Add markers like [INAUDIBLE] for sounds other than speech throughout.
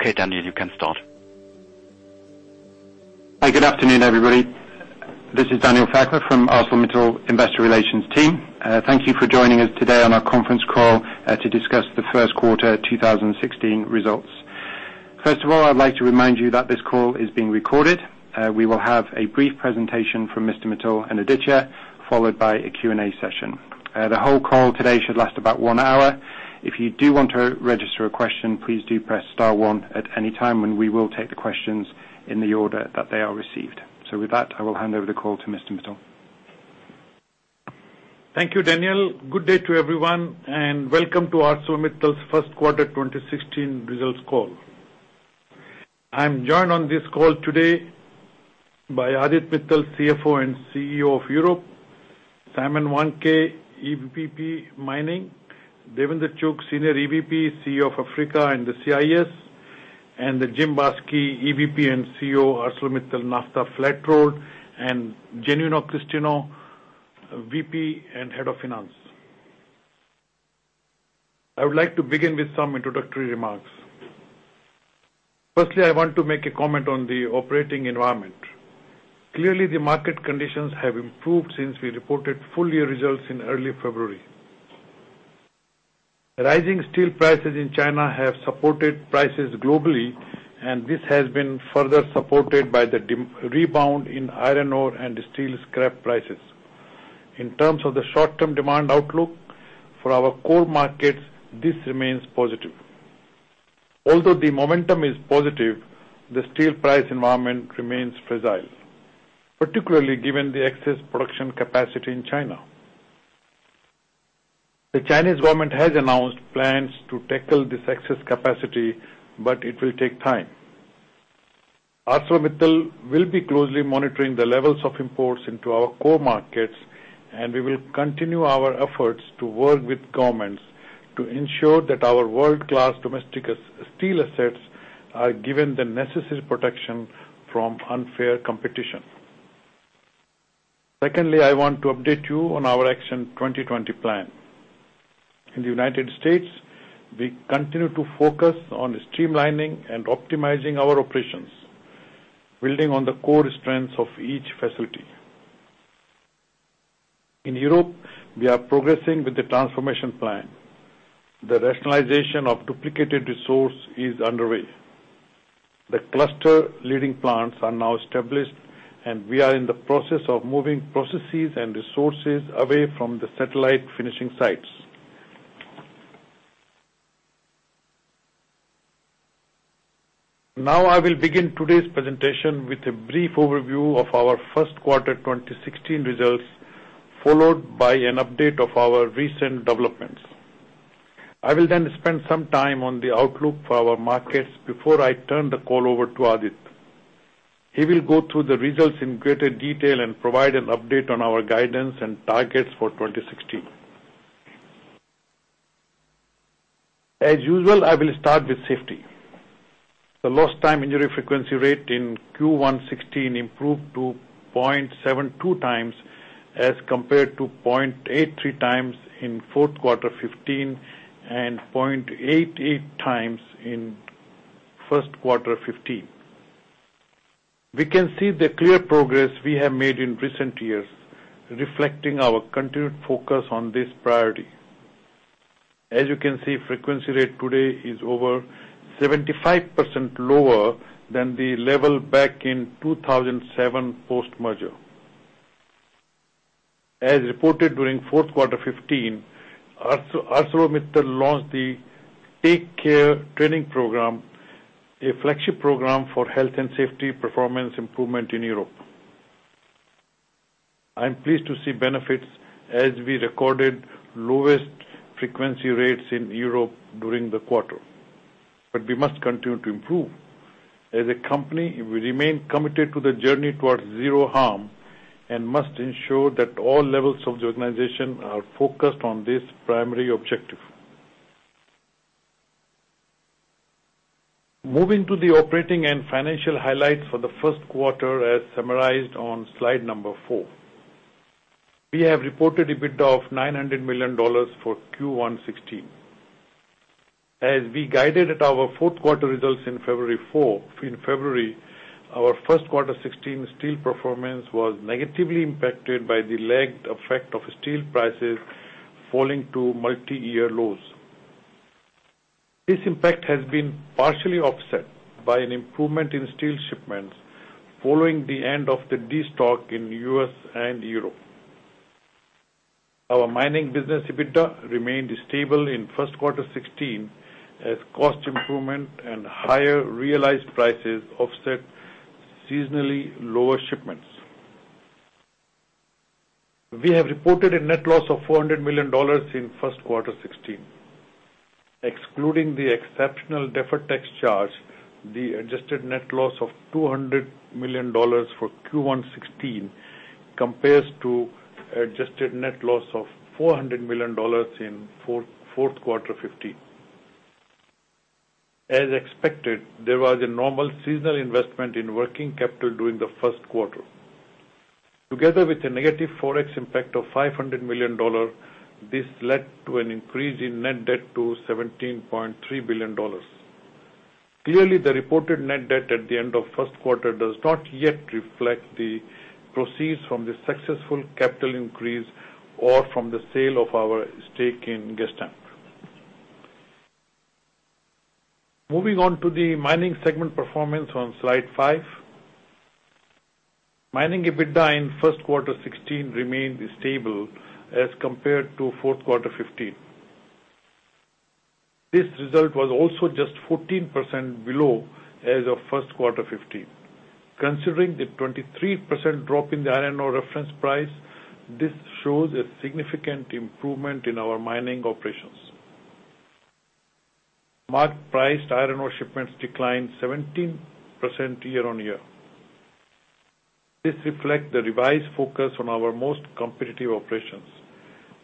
Okay, Daniel, you can start. Hi, good afternoon, everybody. This is Daniel Fairclough from ArcelorMittal Investor Relations team. Thank you for joining us today on our conference call to discuss the first quarter 2016 results. First of all, I'd like to remind you that this call is being recorded. We will have a brief presentation from Mr. Mittal and Aditya, followed by a Q&A session. The whole call today should last about one hour. If you do want to register a question, please do press star one at any time, and we will take the questions in the order that they are received. With that, I will hand over the call to Mr. Mittal. Thank you, Daniel. Good day to everyone, and welcome to ArcelorMittal's first quarter 2016 results call. I'm joined on this call today by Aditya Mittal, CFO and CEO of Europe, Simon Wandke, EVP Mining, Davinder Chugh, Senior EVP, CEO of Africa and the CIS, Jim Baske, EVP and CEO, ArcelorMittal NAFTA Flat Rolled, and Genuino Christino, VP and Head of Finance. Firstly, I want to make a comment on the operating environment. Clearly, the market conditions have improved since we reported full year results in early February. Rising steel prices in China have supported prices globally, and this has been further supported by the rebound in iron ore and steel scrap prices. In terms of the short-term demand outlook for our core markets, this remains positive. Although the momentum is positive, the steel price environment remains fragile, particularly given the excess production capacity in China. The Chinese government has announced plans to tackle this excess capacity, but it will take time. ArcelorMittal will be closely monitoring the levels of imports into our core markets, and we will continue our efforts to work with governments to ensure that our world-class domestic steel assets are given the necessary protection from unfair competition. Secondly, I want to update you on our Action 2020 plan. In the U.S., we continue to focus on streamlining and optimizing our operations, building on the core strengths of each facility. In Europe, we are progressing with the transformation plan. The rationalization of duplicated resource is underway. The cluster leading plants are now established, and we are in the process of moving processes and resources away from the satellite finishing sites. I will begin today's presentation with a brief overview of our first quarter 2016 results, followed by an update of our recent developments. I will then spend some time on the outlook for our markets before I turn the call over to Aditya. He will go through the results in greater detail and provide an update on our guidance and targets for 2016. As usual, I will start with safety. The lost time injury frequency rate in Q1 2016 improved to 0.72 times as compared to 0.83 times in fourth quarter 2015 and 0.88 times in first quarter 2015. We can see the clear progress we have made in recent years, reflecting our continued focus on this priority. As you can see, frequency rate today is over 75% lower than the level back in 2007 post-merger. As reported during fourth quarter 2015, ArcelorMittal launched the Take Care training program, a flagship program for health and safety performance improvement in Europe. I am pleased to see benefits as we recorded lowest frequency rates in Europe during the quarter. We must continue to improve. As a company, we remain committed to the journey towards zero harm and must ensure that all levels of the organization are focused on this primary objective. Moving to the operating and financial highlights for the first quarter, as summarized on slide number four. We have reported EBITDA of $900 million for Q1 2016. As we guided at our fourth quarter results in February, our first quarter 2016 steel performance was negatively impacted by the lagged effect of steel prices falling to multi-year lows. This impact has been partially offset by an improvement in steel shipments following the end of the destock in U.S. and Europe. Our mining business EBITDA remained stable in first quarter 2016 as cost improvement and higher realized prices offset seasonally lower shipments. We have reported a net loss of $400 million in first quarter 2016. Excluding the exceptional deferred tax charge, the adjusted net loss of $200 million for Q1 2016 compares to adjusted net loss of $400 million in fourth quarter 2015. As expected, there was a normal seasonal investment in working capital during the first quarter. Together with a negative ForEx impact of $500 million, this led to an increase in net debt to $17.3 billion. Clearly, the reported net debt at the end of first quarter does not yet reflect the proceeds from the successful capital increase or from the sale of our stake in Gestamp. Moving on to the mining segment performance on Slide five. Mining EBITDA in first quarter 2016 remained stable as compared to fourth quarter 2015. This result was also just 14% below as of first quarter 2015. Considering the 23% drop in the iron ore reference price, this shows a significant improvement in our mining operations. Market-priced iron ore shipments declined 17% year-on-year. This reflects the revised focus on our most competitive operations.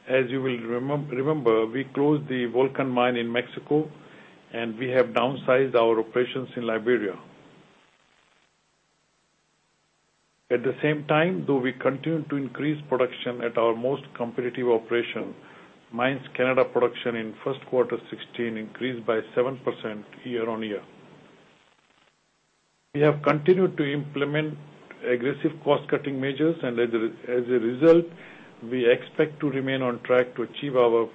As you will remember, we closed the El Volcán mine in Mexico, and we have downsized our operations in Liberia. At the same time, though, we continue to increase production at our most competitive operation. Mines Canada production in first quarter 2016 increased by 7% year-on-year. We have continued to implement aggressive cost-cutting measures and as a result, we expect to remain on track to achieve our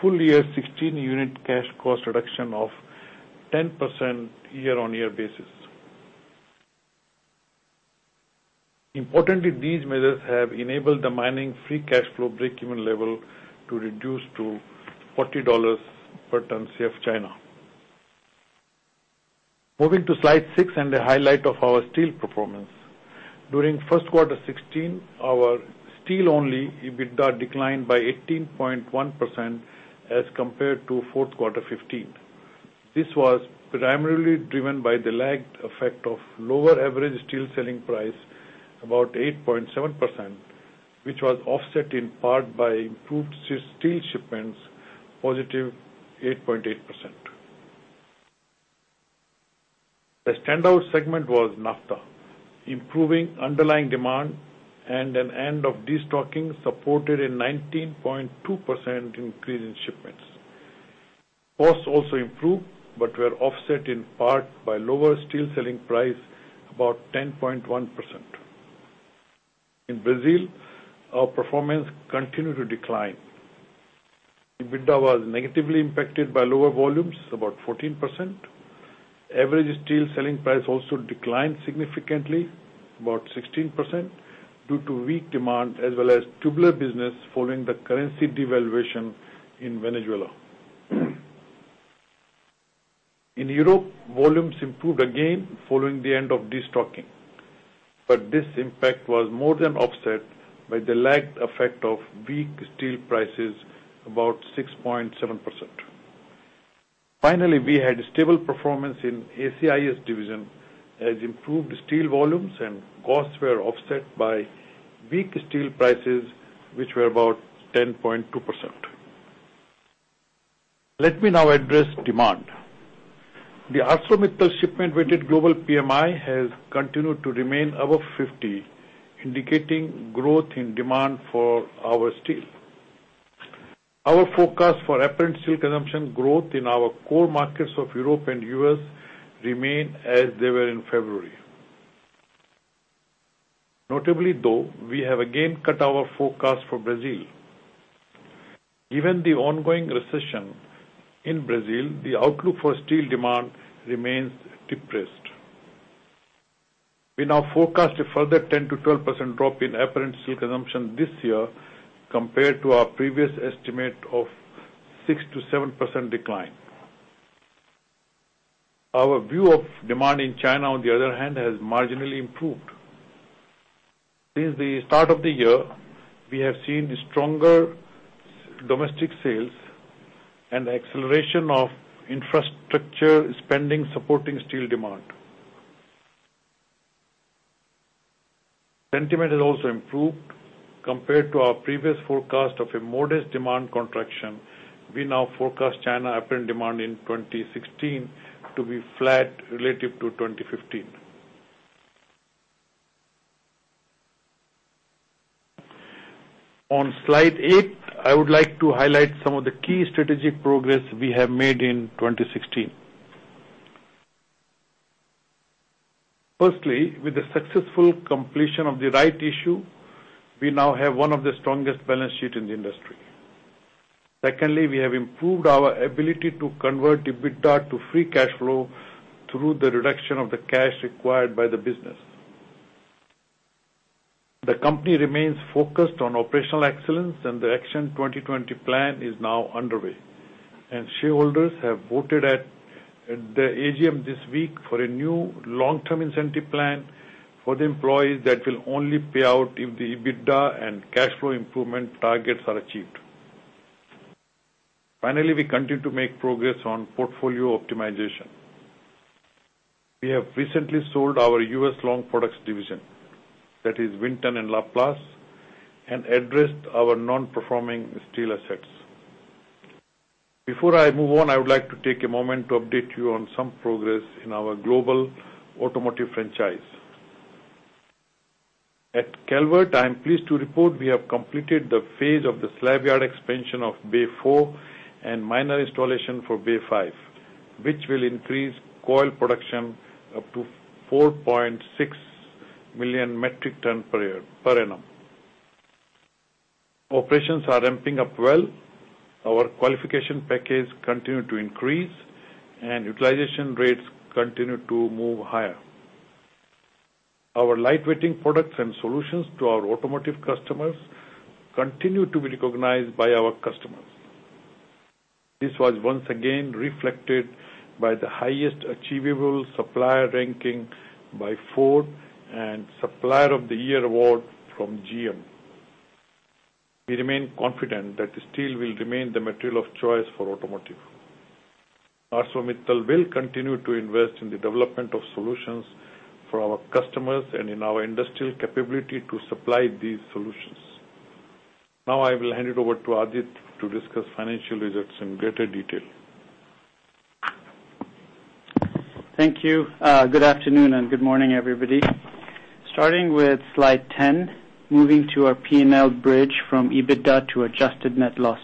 full year 2016 unit cash cost reduction of 10% year-on-year basis. Importantly, these measures have enabled the mining free cash flow breakeven level to reduce to $40 per ton CFR China. Moving to Slide six and the highlight of our steel performance. During first quarter 2016, our steel-only EBITDA declined by 18.1% as compared to fourth quarter 2015. This was primarily driven by the lagged effect of lower average steel selling price, about 8.7%, which was offset in part by improved steel shipments, positive 8.8%. The standout segment was NAFTA. Improving underlying demand and an end of destocking supported a 19.2% increase in shipments. Costs also improved but were offset in part by lower steel selling price, about 10.1%. In Brazil, our performance continued to decline. EBITDA was negatively impacted by lower volumes, about 14%. Average steel selling price also declined significantly, about 16%, due to weak demand as well as tubular business following the currency devaluation in Venezuela. In Europe, volumes improved again following the end of destocking. This impact was more than offset by the lagged effect of weak steel prices, about 6.7%. Finally, we had stable performance in ACIS division as improved steel volumes and costs were offset by weak steel prices, which were about 10.2%. Let me now address demand. The ArcelorMittal shipment-weighted global PMI has continued to remain above 50, indicating growth in demand for our steel. Our forecast for apparent steel consumption growth in our core markets of Europe and U.S. remain as they were in February. Notably though, we have again cut our forecast for Brazil. Given the ongoing recession in Brazil, the outlook for steel demand remains depressed. We now forecast a further 10%-12% drop in apparent steel consumption this year compared to our previous estimate of 6%-7% decline. Our view of demand in China, on the other hand, has marginally improved. Since the start of the year, we have seen stronger domestic sales and acceleration of infrastructure spending supporting steel demand. Sentiment has also improved compared to our previous forecast of a modest demand contraction. We now forecast China apparent demand in 2016 to be flat relative to 2015. On Slide eight, I would like to highlight some of the key strategic progress we have made in 2016. Firstly, with the successful completion of the rights issue, we now have one of the strongest balance sheet in the industry. Secondly, we have improved our ability to convert EBITDA to free cash flow through the reduction of the cash required by the business. The company remains focused on operational excellence and the Action 2020 plan is now underway. Shareholders have voted at the AGM this week for a new long-term incentive plan for the employees that will only pay out if the EBITDA and cash flow improvement targets are achieved. Finally, we continue to make progress on portfolio optimization. We have recently sold our U.S. Long Products division, that is Vinton and LaPlace, and addressed our non-performing steel assets. Before I move on, I would like to take a moment to update you on some progress in our global automotive franchise. At Calvert, I am pleased to report we have completed the phase of the slab yard expansion of Bay4 and minor installation for Bay5, which will increase coil production up to 4.6 million metric tons per annum. Operations are ramping up well. Our qualification package continue to increase, and utilization rates continue to move higher. Our light-weighting products and solutions to our automotive customers continue to be recognized by our customers. This was once again reflected by the highest achievable supplier ranking by Ford, and Supplier of the Year award from GM. We remain confident that steel will remain the material of choice for automotive. ArcelorMittal will continue to invest in the development of solutions for our customers and in our industrial capability to supply these solutions. I will hand it over to Adit to discuss financial results in greater detail. Thank you. Good afternoon, and good morning, everybody. Starting with slide 10, moving to our P&L bridge from EBITDA to adjusted net loss.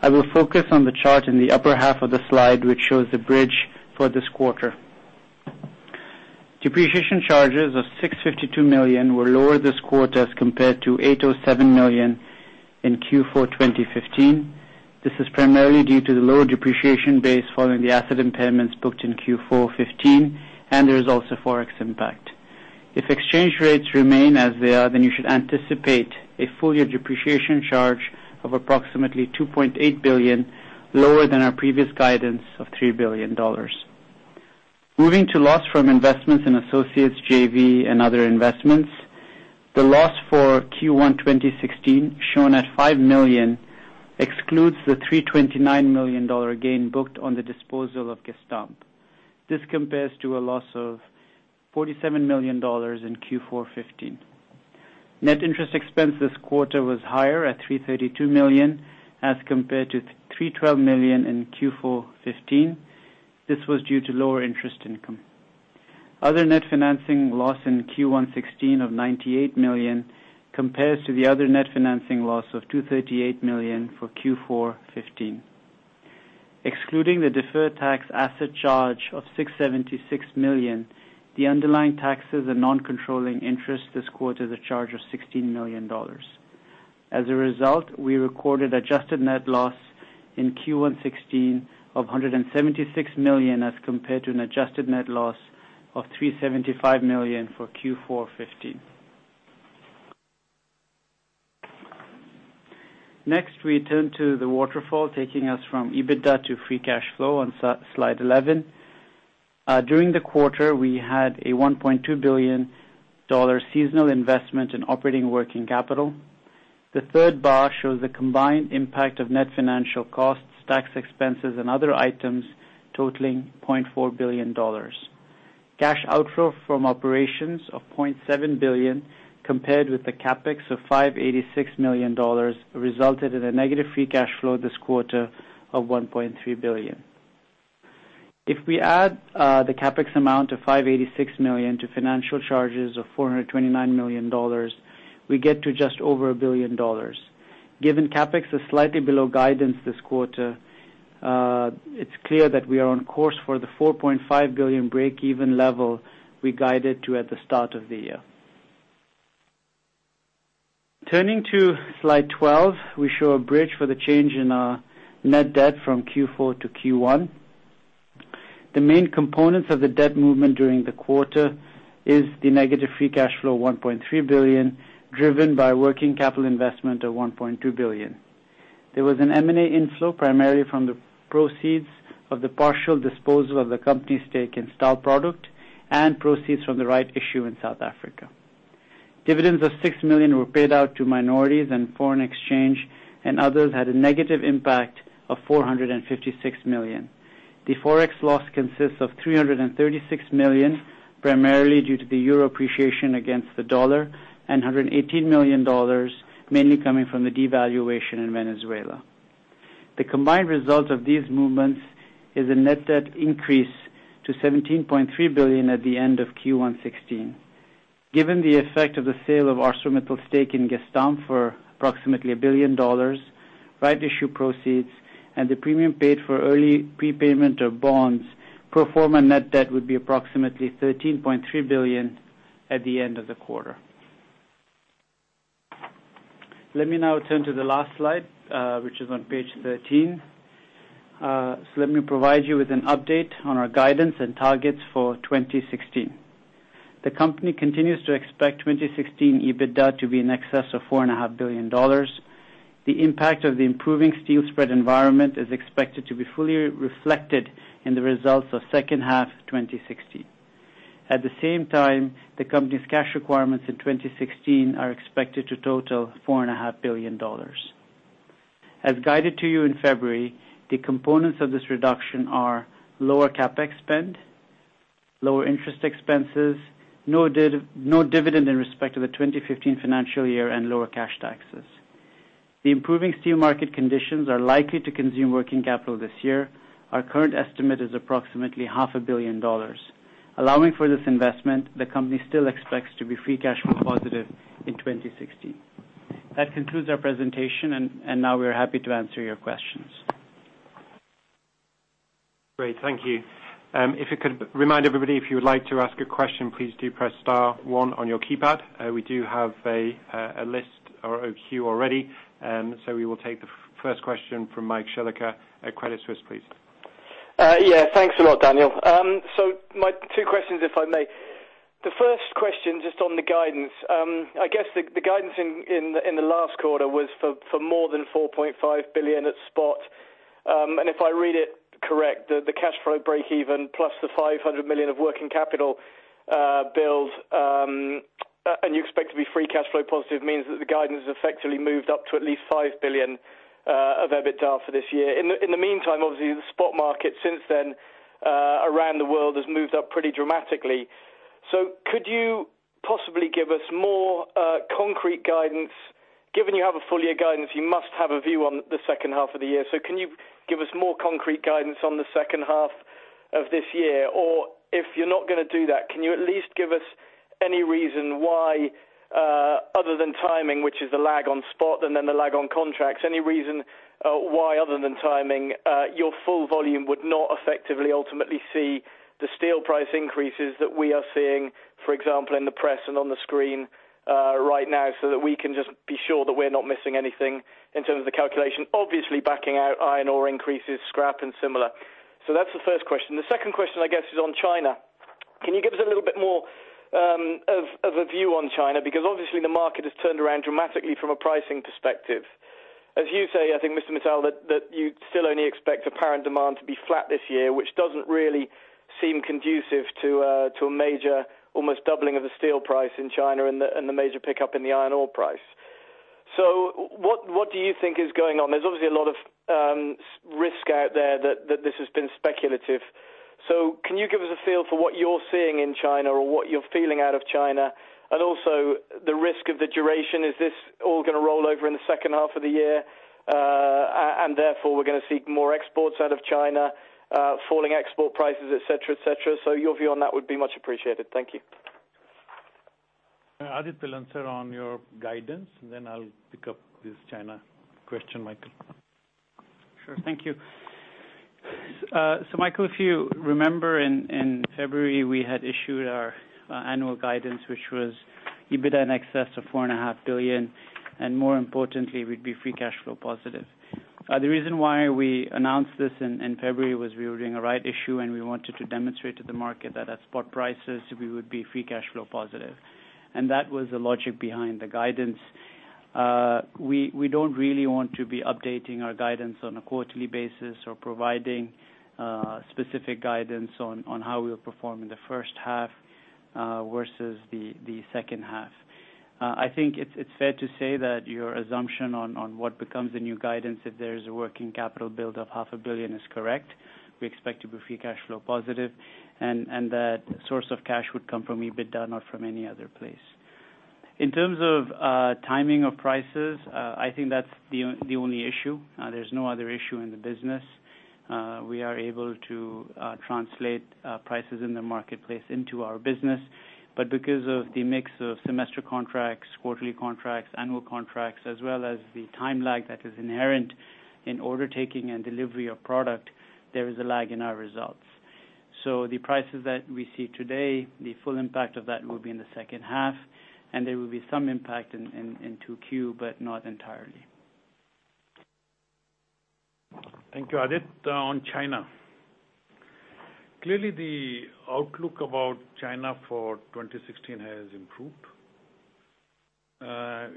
I will focus on the chart in the upper half of the slide, which shows the bridge for this quarter. Depreciation charges of $652 million were lower this quarter as compared to $807 million in Q4 2015. This is primarily due to the lower depreciation base following the asset impairments booked in Q4 2015, and there is also ForEx impact. If exchange rates remain as they are, you should anticipate a full year depreciation charge of approximately $2.8 billion, lower than our previous guidance of $3 billion. Moving to loss from investments in associates, JV, and other investments. The loss for Q1 2016, shown at $5 million, excludes the $329 million gain booked on the disposal of Gestamp. This compares to a loss of $47 million in Q4 2015. Net interest expense this quarter was higher at $332 million as compared to $312 million in Q4 2015. This was due to lower interest income. Other net financing loss in Q1 2016 of $98 million compares to the other net financing loss of $238 million for Q4 2015. Excluding the deferred tax asset charge of $676 million, the underlying taxes and non-controlling interest this quarter is a charge of $16 million. As a result, we recorded adjusted net loss in Q1 2016 of $176 million as compared to an adjusted net loss of $375 million for Q4 2015. We turn to the waterfall, taking us from EBITDA to free cash flow on slide 11. During the quarter, we had a $1.2 billion seasonal investment in operating working capital. The third bar shows the combined impact of net financial costs, tax expenses, and other items totaling $0.4 billion. Cash outflow from operations of $0.7 billion compared with the CapEx of $586 million resulted in a negative free cash flow this quarter of $1.3 billion. If we add the CapEx amount of $586 million to financial charges of $429 million, we get to just over $1 billion. Given CapEx is slightly below guidance this quarter, it is clear that we are on course for the $4.5 billion breakeven level we guided to at the start of the year. Turning to slide 12, we show a bridge for the change in our net debt from Q4 to Q1. The main components of the debt movement during the quarter is the negative free cash flow, $1.3 billion, driven by working capital investment of $1.2 billion. There was an M&A inflow primarily from the proceeds of the partial disposal of the company's stake in style product and proceeds from the right issue in South Africa. Dividends of $6 million were paid out to minorities, and foreign exchange and others had a negative impact of $456 million. The ForEx loss consists of $336 million, primarily due to the euro appreciation against the dollar, and $118 million mainly coming from the devaluation in Venezuela. The combined result of these movements is a net debt increase to $17.3 billion at the end of Q1 2016. Given the effect of the sale of ArcelorMittal stake in Gestamp for approximately $1 billion, right issue proceeds, and the premium paid for early prepayment of bonds, pro forma net debt would be approximately $13.3 billion at the end of the quarter. Let me now turn to the last slide, which is on page 13. Let me provide you with an update on our guidance and targets for 2016. The company continues to expect 2016 EBITDA to be in excess of four and a half billion dollars. The impact of the improving steel spread environment is expected to be fully reflected in the results of second half 2016. At the same time, the company's cash requirements in 2016 are expected to total four and a half billion dollars. As guided to you in February, the components of this reduction are lower CapEx spend, lower interest expenses, no dividend in respect of the 2015 financial year, and lower cash taxes. The improving steel market conditions are likely to consume working capital this year. Our current estimate is approximately half a billion dollars. Allowing for this investment, the company still expects to be free cash flow positive in 2016. That concludes our presentation. Now we are happy to answer your questions. Great. Thank you. If you could remind everybody, if you would like to ask a question, please do press star one on your keypad. We do have a list or a queue already. We will take the first question from Michael Shillaker at Credit Suisse, please. Thanks a lot, Daniel. My two questions, if I may. The first question, just on the guidance. I guess the guidance in the last quarter was for more than $4.5 billion at spot. If I read it correct, the cash flow breakeven plus the $500 million of working capital build, and you expect to be free cash flow positive means that the guidance has effectively moved up to at least $5 billion of EBITDA for this year. In the meantime, obviously, the spot market since then, around the world, has moved up pretty dramatically. Could you possibly give us more concrete guidance? Given you have a full year guidance, you must have a view on the second half of the year. Can you give us more concrete guidance on the second half of this year? If you're not going to do that, can you at least give us any reason why, other than timing, which is the lag on spot and then the lag on contracts, any reason why other than timing, your full volume would not effectively ultimately see the steel price increases that we are seeing, for example, in the press and on the screen right now, so that we can just be sure that we're not missing anything in terms of the calculation. Obviously, backing out iron ore increases scrap and similar. That's the first question. The second question, I guess, is on China. Can you give us a little bit more of a view on China? Obviously the market has turned around dramatically from a pricing perspective. As you say, I think, Mr. Mittal, that you still only expect apparent demand to be flat this year, which doesn't really seem conducive to a major almost doubling of the steel price in China and the major pickup in the iron ore price. What do you think is going on? There's obviously a lot of risk out there that this has been speculative. Can you give us a feel for what you're seeing in China or what you're feeling out of China? Also the risk of the duration, is this all going to roll over in the second half of the year? Therefore, we're going to see more exports out of China, falling export prices, et cetera. Your view on that would be much appreciated. Thank you. Adit will answer on your guidance, and then I'll pick up this China question, Michael. Thank you. Michael, if you remember in February, we had issued our annual guidance, which was EBITDA in excess of $4.5 billion, and more importantly, we'd be free cash flow positive. The reason why we announced this in February was we were doing a rights issue, and we wanted to demonstrate to the market that at spot prices, we would be free cash flow positive. That was the logic behind the guidance. We don't really want to be updating our guidance on a quarterly basis or providing specific guidance on how we will perform in the first half versus the second half. I think it's fair to say that your assumption on what becomes the new guidance, if there is a working capital build of $0.5 billion, is correct. We expect to be free cash flow positive, that source of cash would come from EBITDA, not from any other place. In terms of timing of prices, I think that's the only issue. There's no other issue in the business. We are able to translate prices in the marketplace into our business. Because of the mix of semester contracts, quarterly contracts, annual contracts, as well as the time lag that is inherent in order taking and delivery of product, there is a lag in our results. The prices that we see today, the full impact of that will be in the second half, and there will be some impact in 2Q, but not entirely. Thank you, Aditya. On China. Clearly, the outlook about China for 2016 has improved.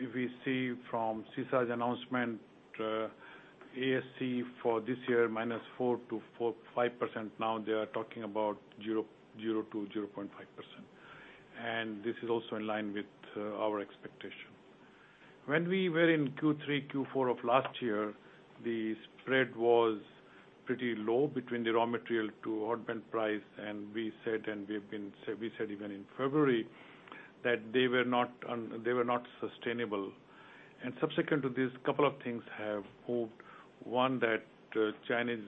If we see from CISA's announcement, ASC for this year, -4% to -5%. Now they are talking about 0% to 0.5%. This is also in line with our expectation. When we were in Q3, Q4 of last year, the spread was pretty low between the raw material to hot metal price. We said, even in February, that they were not sustainable. Subsequent to this, couple of things have moved. One, that Chinese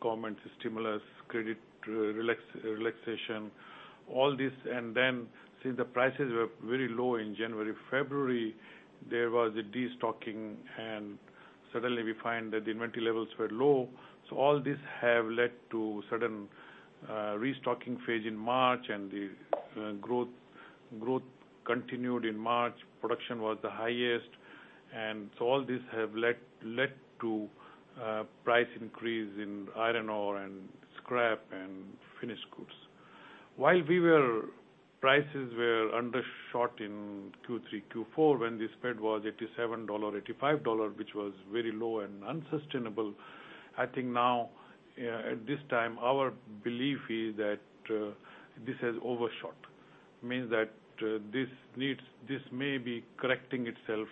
government stimulus, credit relaxation, all this. Then since the prices were very low in January, February, there was a destocking, suddenly we find that the inventory levels were low. All this have led to certain restocking phase in March and the growth continued in March. Production was the highest. All this have led to price increase in iron ore and scrap and finished goods. While prices were undershot in Q3, Q4, when the spread was $87, $85, which was very low and unsustainable, I think now at this time, our belief is that this has overshot. Means that this may be correcting itself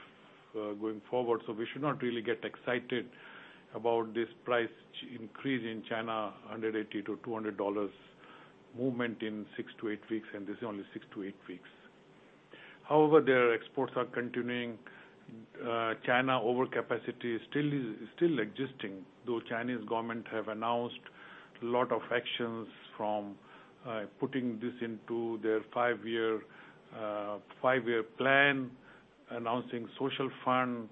going forward. We should not really get excited about this price increase in China, $180-$200 movement in 6-8 weeks, this is only 6-8 weeks. However, their exports are continuing. China overcapacity is still existing, though Chinese government have announced a lot of actions from putting this into their five-year plan, announcing social fund,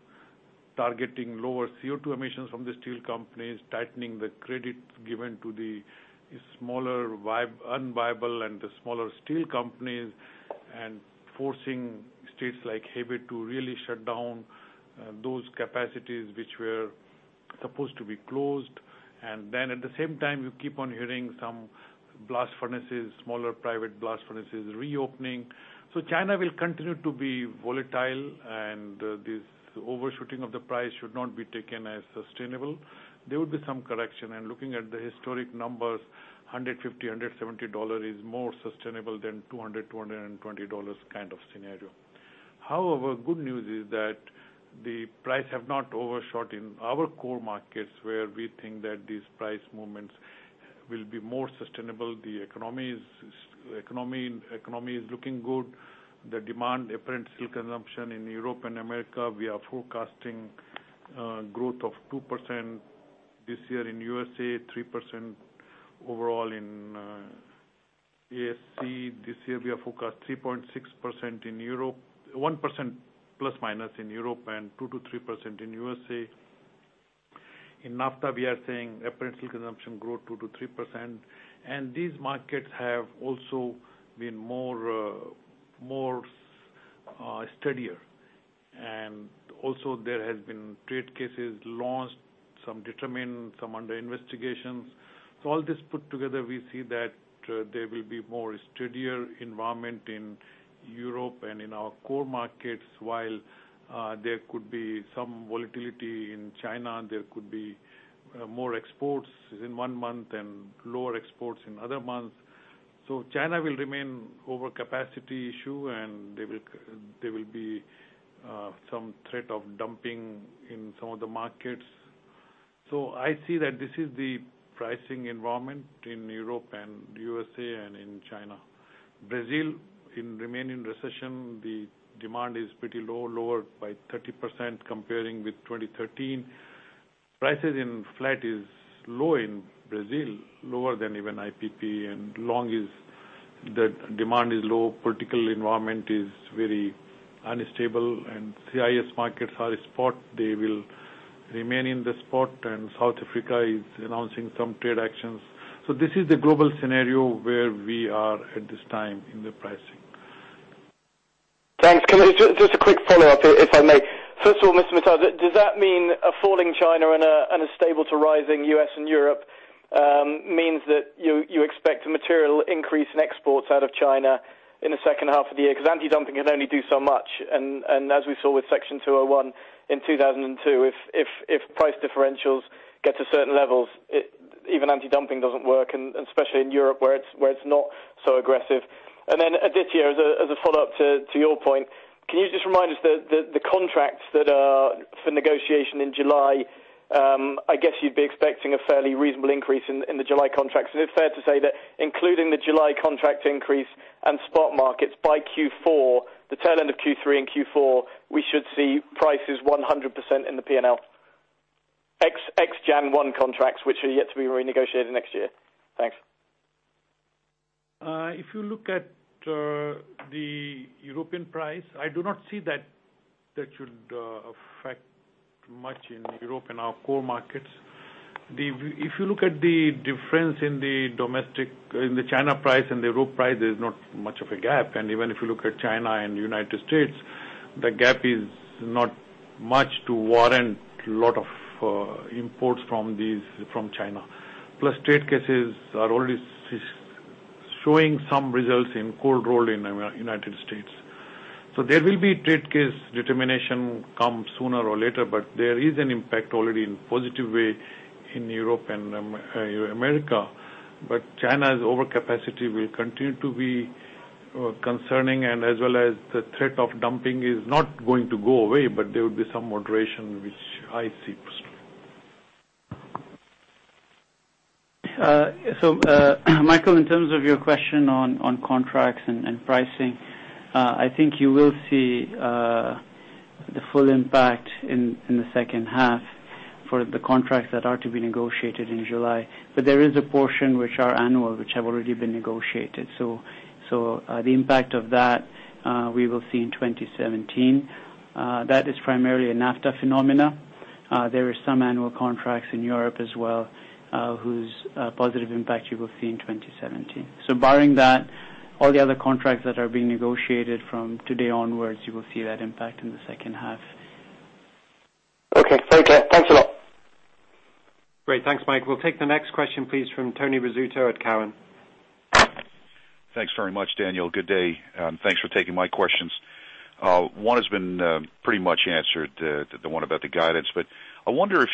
targeting lower CO2 emissions from the steel companies, tightening the credit given to the smaller, unviable and the smaller steel companies, and forcing states like Hebei to really shut down those capacities which were supposed to be closed. At the same time, you keep on hearing some blast furnaces, smaller private blast furnaces reopening. China will continue to be volatile, and this overshooting of the price should not be taken as sustainable. There would be some correction. Looking at the historic numbers, $150, $170 is more sustainable than $200, $220 kind of scenario. However, good news is that the price have not overshot in our core markets, where we think that these price movements will be more sustainable. The economy is looking good. The demand, apparent steel consumption in Europe and America, we are forecasting growth of 2% this year in USA, 3% overall in ASC. This year, we have forecast 1% plus minus in Europe, and 2%-3% in USA. In NAFTA, we are saying apparent steel consumption growth 2%-3%. These markets have also been more steadier. Also there has been trade cases launched, some determined, some under investigation. All this put together, we see that there will be more steadier environment in Europe and in our core markets, while there could be some volatility in China. There could be more exports in one month and lower exports in other months. China will remain over capacity issue, and there will be some threat of dumping in some of the markets. I see that this is the pricing environment in Europe and USA and in China. Brazil, in remaining recession, the demand is pretty low, lower by 30% comparing with 2013. Prices in flat is low in Brazil, lower than even IPP, and long is the demand is low. Political environment is very unstable, and CIS markets are spot. They will remain in the spot, and South Africa is announcing some trade actions. This is the global scenario where we are at this time in the pricing. Thanks. Just a quick follow-up, if I may. First of all, Mr. Mittal, does that mean a falling China and a stable to rising U.S. and Europe means that you expect a material increase in exports out of China in the second half of the year? Anti-dumping can only do so much. As we saw with Section 201 in 2002, if price differentials get to certain levels, even anti-dumping doesn't work, and especially in Europe where it's not so aggressive. Aditya, as a follow-up to your point, can you just remind us the contracts that are for negotiation in July? I guess you'd be expecting a fairly reasonable increase in the July contracts. Is it fair to say that including the July contract increase and spot markets by Q4, the tail end of Q3 and Q4, we should see prices 100% in the P&L, ex January 1 contracts, which are yet to be renegotiated next year. Thanks. If you look at the European price, I do not see that should affect much in Europe and our core markets. If you look at the difference in the China price and the Europe price, there is not much of a gap. Even if you look at China and the U.S., the gap is not much to warrant lot of imports from China. Trade cases are already showing some results in cold-rolled in the U.S. There will be trade case determination come sooner or later, there is an impact already in positive way in Europe and the U.S. China's overcapacity will continue to be concerning and as well as the threat of dumping is not going to go away, there will be some moderation, which I see. Michael, in terms of your question on contracts and pricing, I think you will see the full impact in the second half for the contracts that are to be negotiated in July. There is a portion which are annual, which have already been negotiated. The impact of that, we will see in 2017. That is primarily a NAFTA phenomena. There are some annual contracts in Europe as well, whose positive impact you will see in 2017. Barring that, all the other contracts that are being negotiated from today onwards, you will see that impact in the second half. Okay. Take care. Thanks a lot. Great. Thanks, Mike. We'll take the next question, please, from Tony Rizzuto at Cowen. Thanks very much, Daniel. Good day. Thanks for taking my questions. One has been pretty much answered, the one about the guidance. I wonder,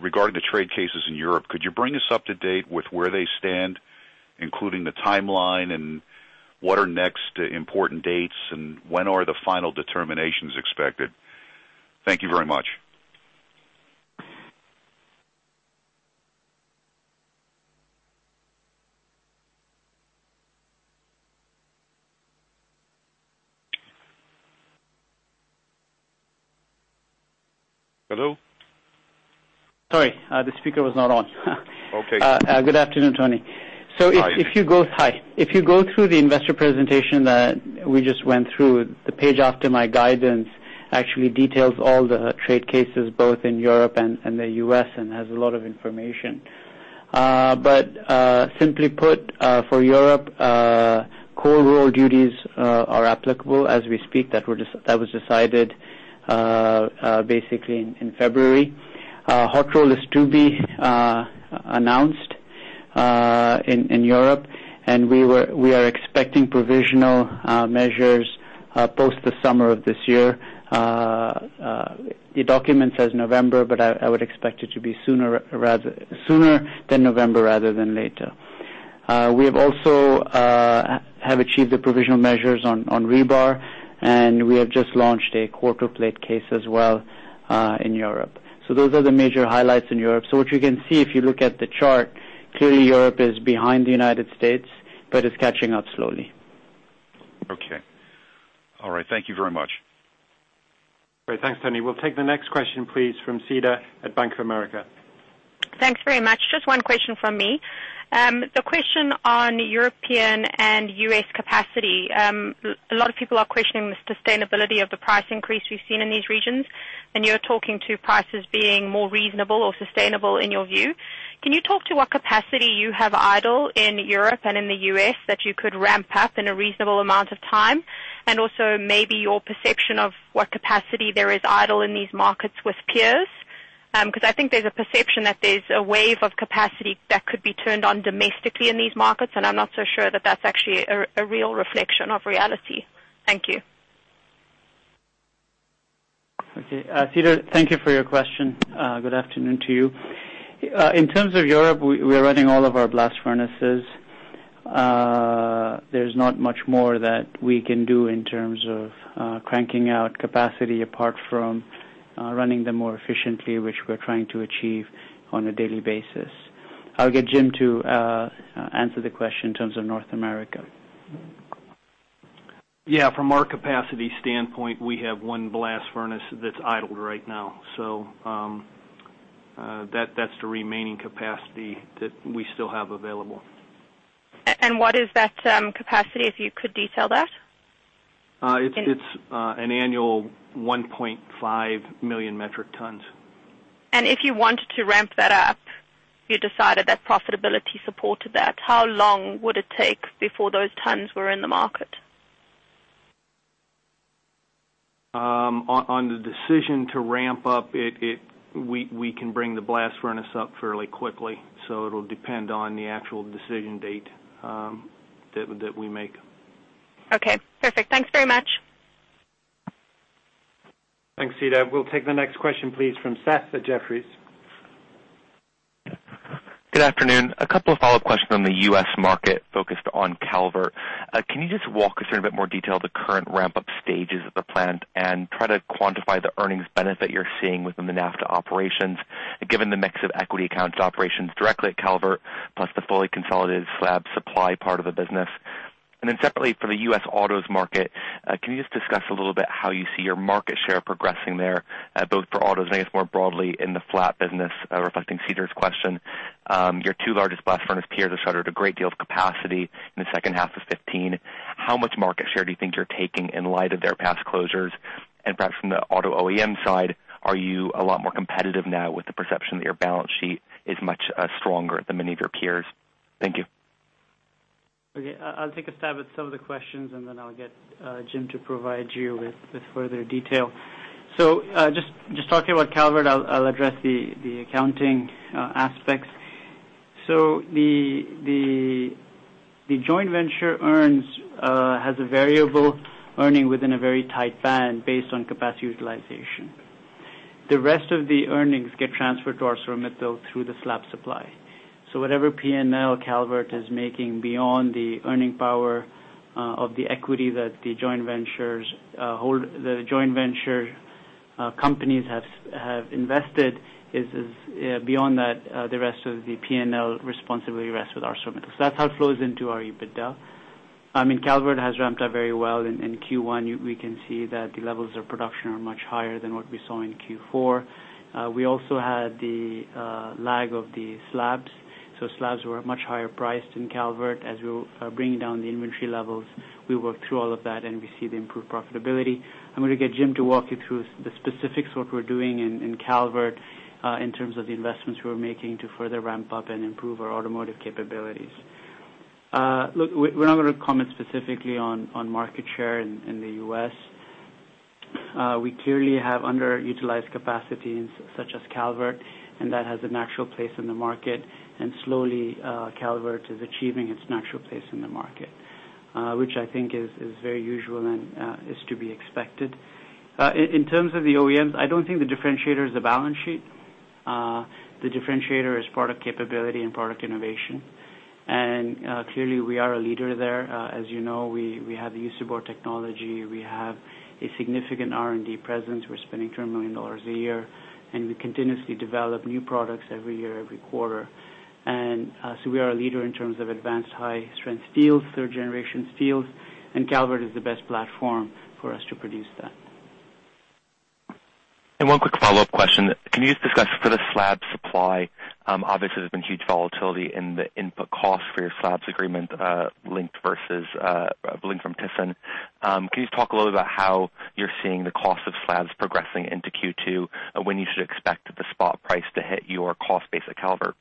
regarding the trade cases in Europe, could you bring us up to date with where they stand, including the timeline, and what are the next important dates, and when are the final determinations expected? Thank you very much. Hello? Sorry, the speaker was not on. Okay. Good afternoon, Tony. Hi. Hi. If you go through the investor presentation that we just went through, the page after my guidance actually details all the trade cases both in Europe and the U.S., and has a lot of information. Simply put, for Europe, cold-rolled duties are applicable as we speak. That was decided basically in February. Hot-rolled is to be announced in Europe, and we are expecting provisional measures post the summer of this year. The document says November, but I would expect it to be sooner than November rather than later. We have also achieved the provisional measures on rebar, and we have just launched a quarto plate case as well in Europe. Those are the major highlights in Europe. What you can see if you look at the chart, clearly Europe is behind the United States, but it's catching up slowly. Okay. All right. Thank you very much. Great. Thanks, Tony. We'll take the next question please, from Cedric at Bank of America. Thanks very much. Just one question from me. The question on European and U.S. capacity. A lot of people are questioning the sustainability of the price increase we've seen in these regions, and you're talking to prices being more reasonable or sustainable in your view. Can you talk to what capacity you have idle in Europe and in the U.S. that you could ramp up in a reasonable amount of time? Also maybe your perception of what capacity there is idle in these markets with peers. I think there's a perception that there's a wave of capacity that could be turned on domestically in these markets, and I'm not so sure that that's actually a real reflection of reality. Thank you. Okay. Cedric, thank you for your question. Good afternoon to you. In terms of Europe, we are running all of our blast furnaces. There's not much more that we can do in terms of cranking out capacity apart from running them more efficiently, which we're trying to achieve on a daily basis. I'll get Jim to answer the question in terms of North America. Yeah, from our capacity standpoint, we have one blast furnace that's idled right now. That's the remaining capacity that we still have available. What is that capacity, if you could detail that? It's an annual 1.5 million metric tons. If you wanted to ramp that up, you decided that profitability supported that, how long would it take before those tons were in the market? On the decision to ramp up, we can bring the blast furnace up fairly quickly, so it will depend on the actual decision date that we make. Okay, perfect. Thanks very much. Thanks, Cedric. We will take the next question, please, from Seth at Jefferies. Good afternoon. A couple of follow-up questions on the U.S. market focused on Calvert. Can you just walk us through in a bit more detail the current ramp-up stages of the plant and try to quantify the earnings benefit you're seeing within the NAFTA operations, given the mix of equity accounts operations directly at Calvert, plus the fully consolidated slab supply part of the business? Separately for the U.S. autos market, can you just discuss a little bit how you see your market share progressing there, both for autos and I guess more broadly in the flat business, reflecting Cedric's question? Your two largest blast furnace peers have shuttered a great deal of capacity in the second half of 2015. How much market share do you think you're taking in light of their past closures? Perhaps from the auto OEM side, are you a lot more competitive now with the perception that your balance sheet is much stronger than many of your peers? Thank you. Okay. I'll take a stab at some of the questions. I'll get Jim to provide you with further detail. Just talking about Calvert, I'll address the accounting aspects. The joint venture earns has a variable earning within a very tight band based on capacity utilization. The rest of the earnings get transferred to ArcelorMittal through the slab supply. Whatever P&L Calvert is making beyond the earning power of the equity that the joint venture companies have invested, beyond that, the rest of the P&L responsibility rests with ArcelorMittal. That's how it flows into our EBITDA. Calvert has ramped up very well in Q1. We can see that the levels of production are much higher than what we saw in Q4. We also had the lag of the slabs. Slabs were much higher priced in Calvert. As we were bringing down the inventory levels, we worked through all of that. We see the improved profitability. I'm going to get Jim to walk you through the specifics, what we're doing in Calvert, in terms of the investments we're making to further ramp up and improve our automotive capabilities. Look, we're not going to comment specifically on market share in the U.S. We clearly have underutilized capacities such as Calvert. That has a natural place in the market. Slowly, Calvert is achieving its natural place in the market, which I think is very usual and is to be expected. In terms of the OEMs, I don't think the differentiator is the balance sheet. The differentiator is product capability and product innovation. Clearly, we are a leader there. As you know, we have the Usibor technology. We have a significant R&D presence. We're spending $200 million a year, we continuously develop new products every year, every quarter. We are a leader in terms of advanced high-strength steels, third-generation steels, and Calvert is the best platform for us to produce that. One quick follow-up question. Can you discuss for the slab supply, obviously, there's been huge volatility in the input cost for your slabs agreement linked from ThyssenKrupp. Can you talk a little about how you're seeing the cost of slabs progressing into Q2 and when you should expect the spot price to hit your cost base at Calvert?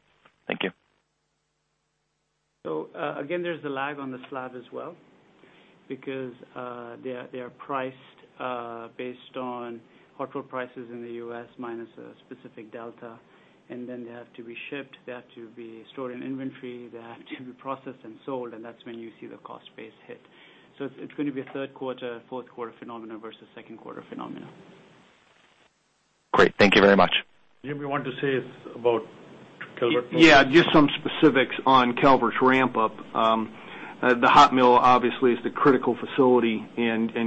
Thank you. Again, there's a lag on the slab as well because they are priced based on hot-rolled prices in the U.S. minus a specific delta, and then they have to be shipped, they have to be stored in inventory, they have to be processed and sold, and that's when you see the cost base hit. It's going to be a third quarter, fourth quarter phenomenon versus second quarter phenomenon. Great. Thank you very much. Jim, you want to say about Calvert? Just some specifics on Calvert's ramp-up. The hot mill obviously is the critical facility,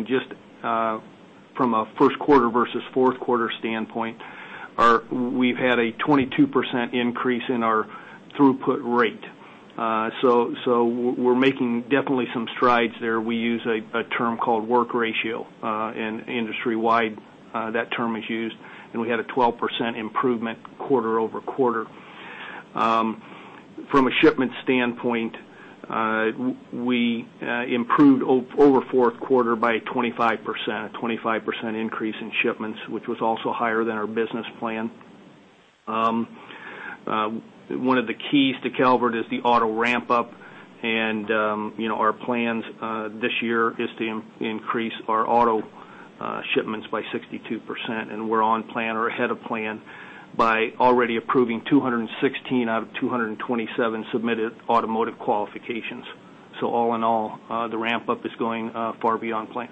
just from a first quarter versus fourth quarter standpoint, we've had a 22% increase in our throughput rate. We're making definitely some strides there. We use a term called work ratio. Industry-wide, that term is used. We had a 12% improvement quarter-over-quarter. From a shipment standpoint, we improved over fourth quarter by 25%, a 25% increase in shipments, which was also higher than our business plan. One of the keys to Calvert is the auto ramp-up, and our plans this year is to increase our auto shipments by 62%, and we're on plan or ahead of plan by already approving 216 out of 227 submitted automotive qualifications. All in all, the ramp-up is going far beyond plan.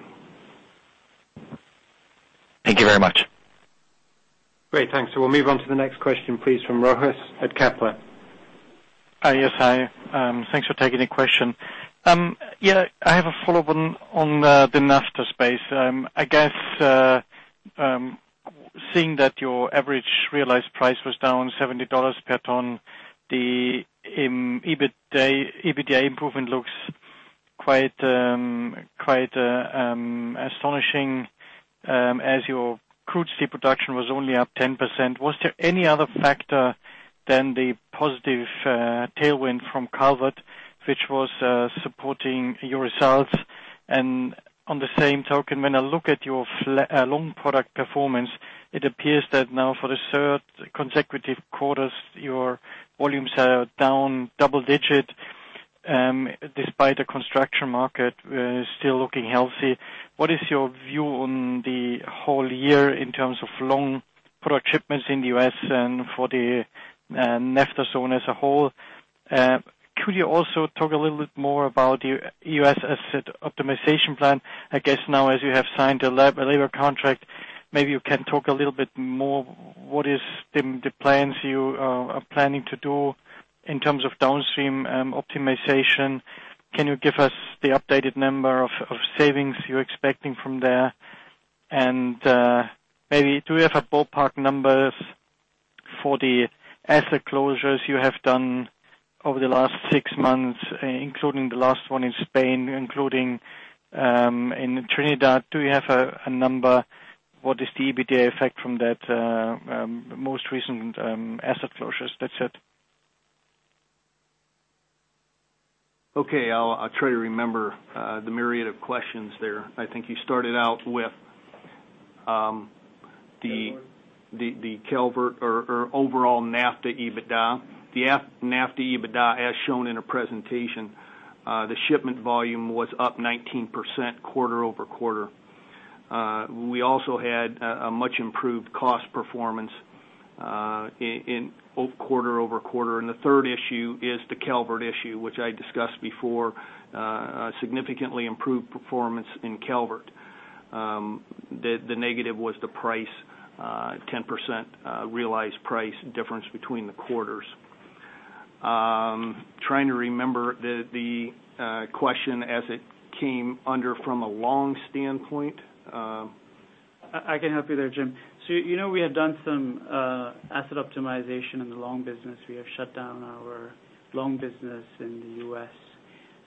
Thank you very much. Great. Thanks. We'll move on to the next question, please, from Rochus at Kepler. Yes, hi. Thanks for taking the question. I have a follow-up on the NAFTA space. I guess, seeing that your average realized price was down $70 per ton, the EBITDA improvement looks quite astonishing, as your crude steel production was only up 10%. Was there any other factor than the positive tailwind from Calvert, which was supporting your results? On the same token, when I look at your long product performance, it appears that now for the third consecutive quarters, your volumes are down double digit, despite the construction market still looking healthy. What is your view on the whole year in terms of long product shipments in the U.S. and for the NAFTA zone as a whole? Could you also talk a little bit more about U.S. asset optimization plan? I guess now, as you have signed a labor contract, maybe you can talk a little bit more, what is the plans you are planning to do in terms of downstream optimization? Can you give us the updated number of savings you're expecting from there? Maybe do you have a ballpark numbers for the asset closures you have done over the last six months, including the last one in Spain, including in Trinidad? Do you have a number? What is the EBITDA effect from that most recent asset closures? That's it. Okay. I'll try to remember the myriad of questions there. I think you started out with- Calvert the Calvert or overall NAFTA EBITDA. The NAFTA EBITDA, as shown in a presentation, the shipment volume was up 19% quarter-over-quarter. We also had a much-improved cost performance in quarter-over-quarter. The third issue is the Calvert issue, which I discussed before, a significantly improved performance in Calvert. The negative was the price, 10% realized price difference between the quarters. Trying to remember the question as it came under from a long standpoint. I can help you there, Jim. You know we had done some asset optimization in the long business. We have shut down our long business in the U.S.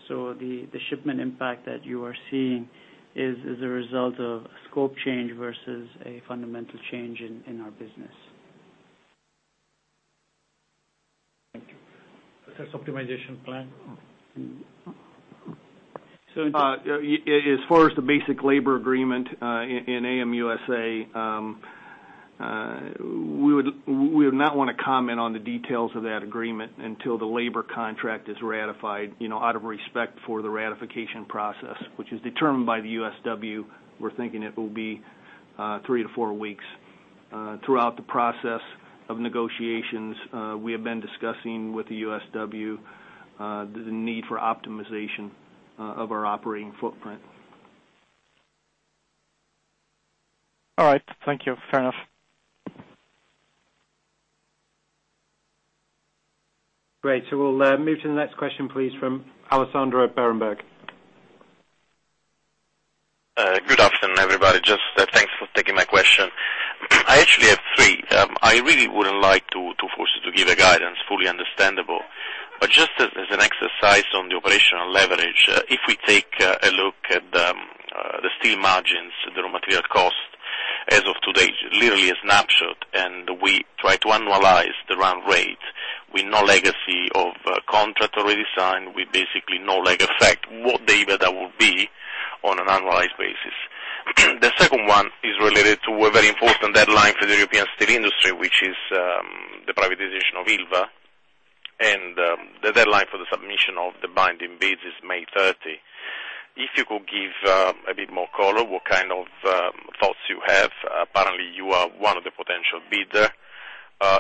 The shipment impact that you are seeing is a result of a scope change versus a fundamental change in our business. Thank you. Asset optimization plan. As far as the basic labor agreement in AM USA. We would not want to comment on the details of that agreement until the labor contract is ratified, out of respect for the ratification process, which is determined by the USW. We're thinking it will be three to four weeks. Throughout the process of negotiations, we have been discussing with the USW, the need for optimization of our operating footprint. All right. Thank you. Fair enough. Great. We'll move to the next question, please, from Alessandro at Berenberg. Good afternoon, everybody. Just thanks for taking my question. I actually have three. I really wouldn't like to force you to give a guidance, fully understandable. Just as an exercise on the operational leverage, if we take a look at the steel margins, the raw material cost as of today, literally a snapshot, and we try to annualize the run rate with no legacy of contract redesign, with basically no lag effect, what the EBITDA would be on an annualized basis. The second one is related to a very important deadline for the European steel industry, which is the privatization of Ilva, and the deadline for the submission of the binding bids is May 30. If you could give a bit more color, what kind of thoughts you have. Apparently, you are one of the potential bidders.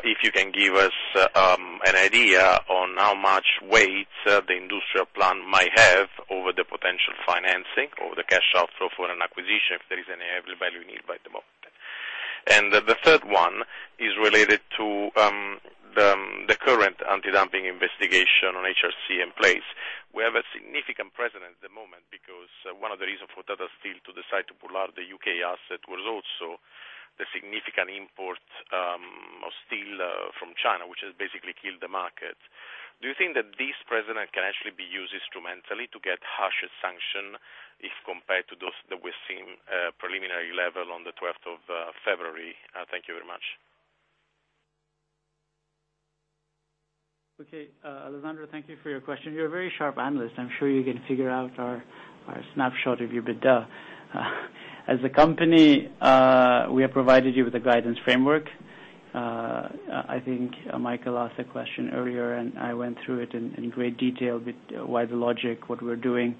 If you can give us an idea on how much weight the industrial plan might have over the potential financing or the cash outflow for an acquisition, if there is any value in it by the market. The third one is related to the current anti-dumping investigation on HRC in place. We have a significant precedent at the moment because one of the reasons for Tata Steel to decide to pull out the U.K. asset was also the significant import of steel from China, which has basically killed the market. Do you think that this precedent can actually be used instrumentally to get harsher sanction if compared to those that we're seeing preliminary level on the 12th of February? Thank you very much. Okay. Alessandro, thank you for your question. You're a very sharp analyst. I'm sure you can figure out our snapshot of EBITDA. As a company, we have provided you with a guidance framework. I think Michael asked a question earlier, and I went through it in great detail with why the logic, what we're doing.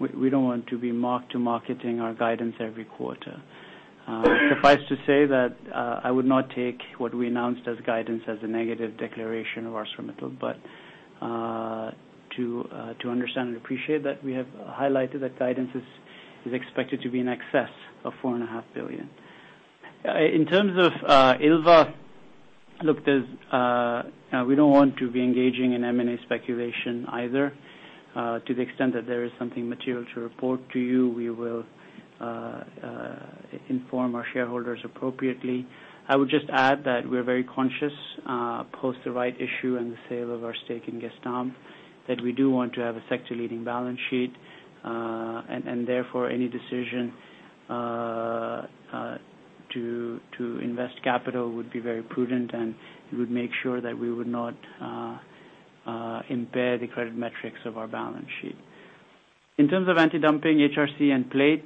We don't want to be mark to marketing our guidance every quarter. Suffice to say that, I would not take what we announced as guidance as a negative declaration of ArcelorMittal, but to understand and appreciate that, we have highlighted that guidance is expected to be in excess of four and a half billion. In terms of Ilva, look, we don't want to be engaging in M&A speculation either. To the extent that there is something material to report to you, we will inform our shareholders appropriately. I would just add that we're very conscious, post the right issue and the sale of our stake in Gestamp, that we do want to have a sector leading balance sheet. Therefore, any decision to invest capital would be very prudent, and we would make sure that we would not impair the credit metrics of our balance sheet. In terms of anti-dumping HRC and plate,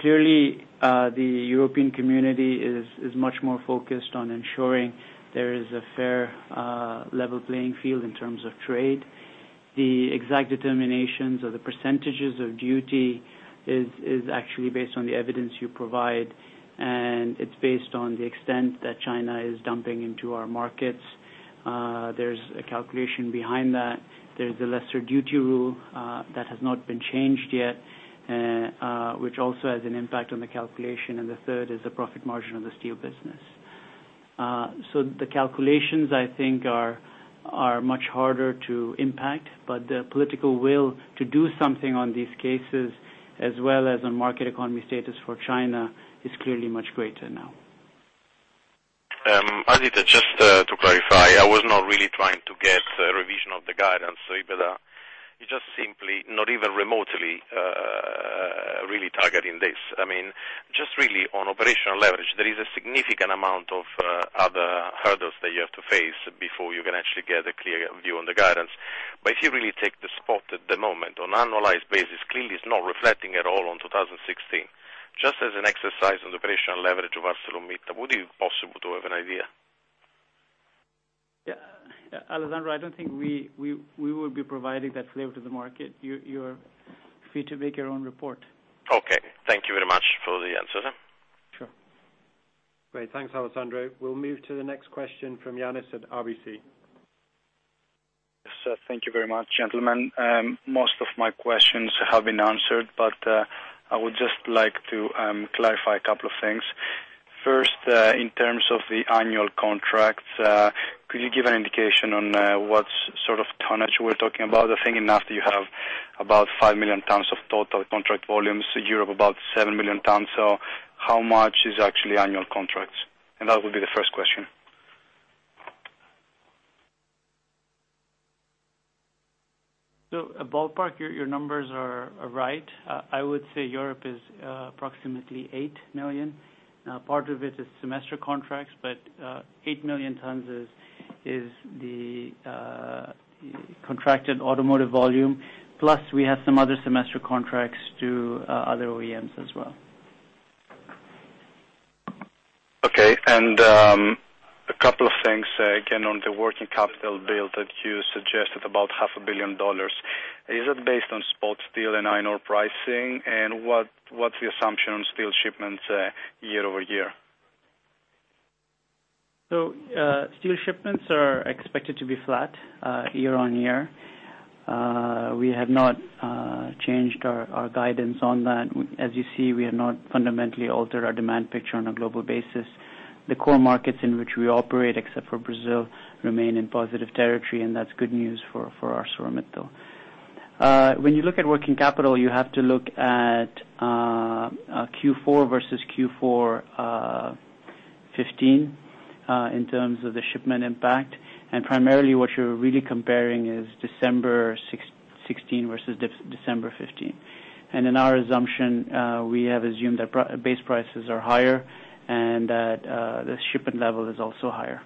clearly, the European community is much more focused on ensuring there is a fair, level playing field in terms of trade. The exact determinations or the percentages of duty is actually based on the evidence you provide, and it's based on the extent that China is dumping into our markets. There's a calculation behind that. There's a lesser duty rule, that has not been changed yet, which also has an impact on the calculation. The third is the profit margin of the steel business. The calculations, I think, are much harder to impact, the political will to do something on these cases, as well as on market economy status for China, is clearly much greater now. Ajit, just to clarify, I was not really trying to get a revision of the guidance or EBITDA. You're just simply not even remotely really targeting this. Just really on operational leverage, there is a significant amount of other hurdles that you have to face before you can actually get a clear view on the guidance. If you really take the spot at the moment on annualized basis, clearly it's not reflecting at all on 2016. Just as an exercise on the operational leverage of ArcelorMittal, would it be possible to have an idea? Yeah. Alessandro, I don't think we would be providing that flavor to the market. You're free to make your own report. Okay. Thank you very much for the answer then. Sure. Great. Thanks, Alessandro. We'll move to the next question from Ioannis at RBC. Yes, thank you very much, gentlemen. Most of my questions have been answered, I would just like to clarify a couple of things. First, in terms of the annual contracts, could you give an indication on what sort of tonnage we're talking about? I think enough that you have about 5 million tons of total contract volumes, Europe about 7 million tons. How much is actually annual contracts? That would be the first question. A ballpark, your numbers are right. I would say Europe is approximately 8 million tons. Part of it is semester contracts, but 8 million tons is the contracted automotive volume. Plus, we have some other semester contracts to other OEMs as well. Okay. A couple of things again on the working capital build that you suggested, about half a billion dollars. Is it based on spot steel and iron ore pricing? What's the assumption on steel shipments year-over-year? Steel shipments are expected to be flat year-on-year. We have not changed our guidance on that. As you see, we have not fundamentally altered our demand picture on a global basis. The core markets in which we operate, except for Brazil, remain in positive territory, and that's good news for ArcelorMittal. When you look at working capital, you have to look at Q4 versus Q4 2015 in terms of the shipment impact. Primarily what you're really comparing is December 2016 versus December 2015. In our assumption, we have assumed that base prices are higher and that the shipment level is also higher.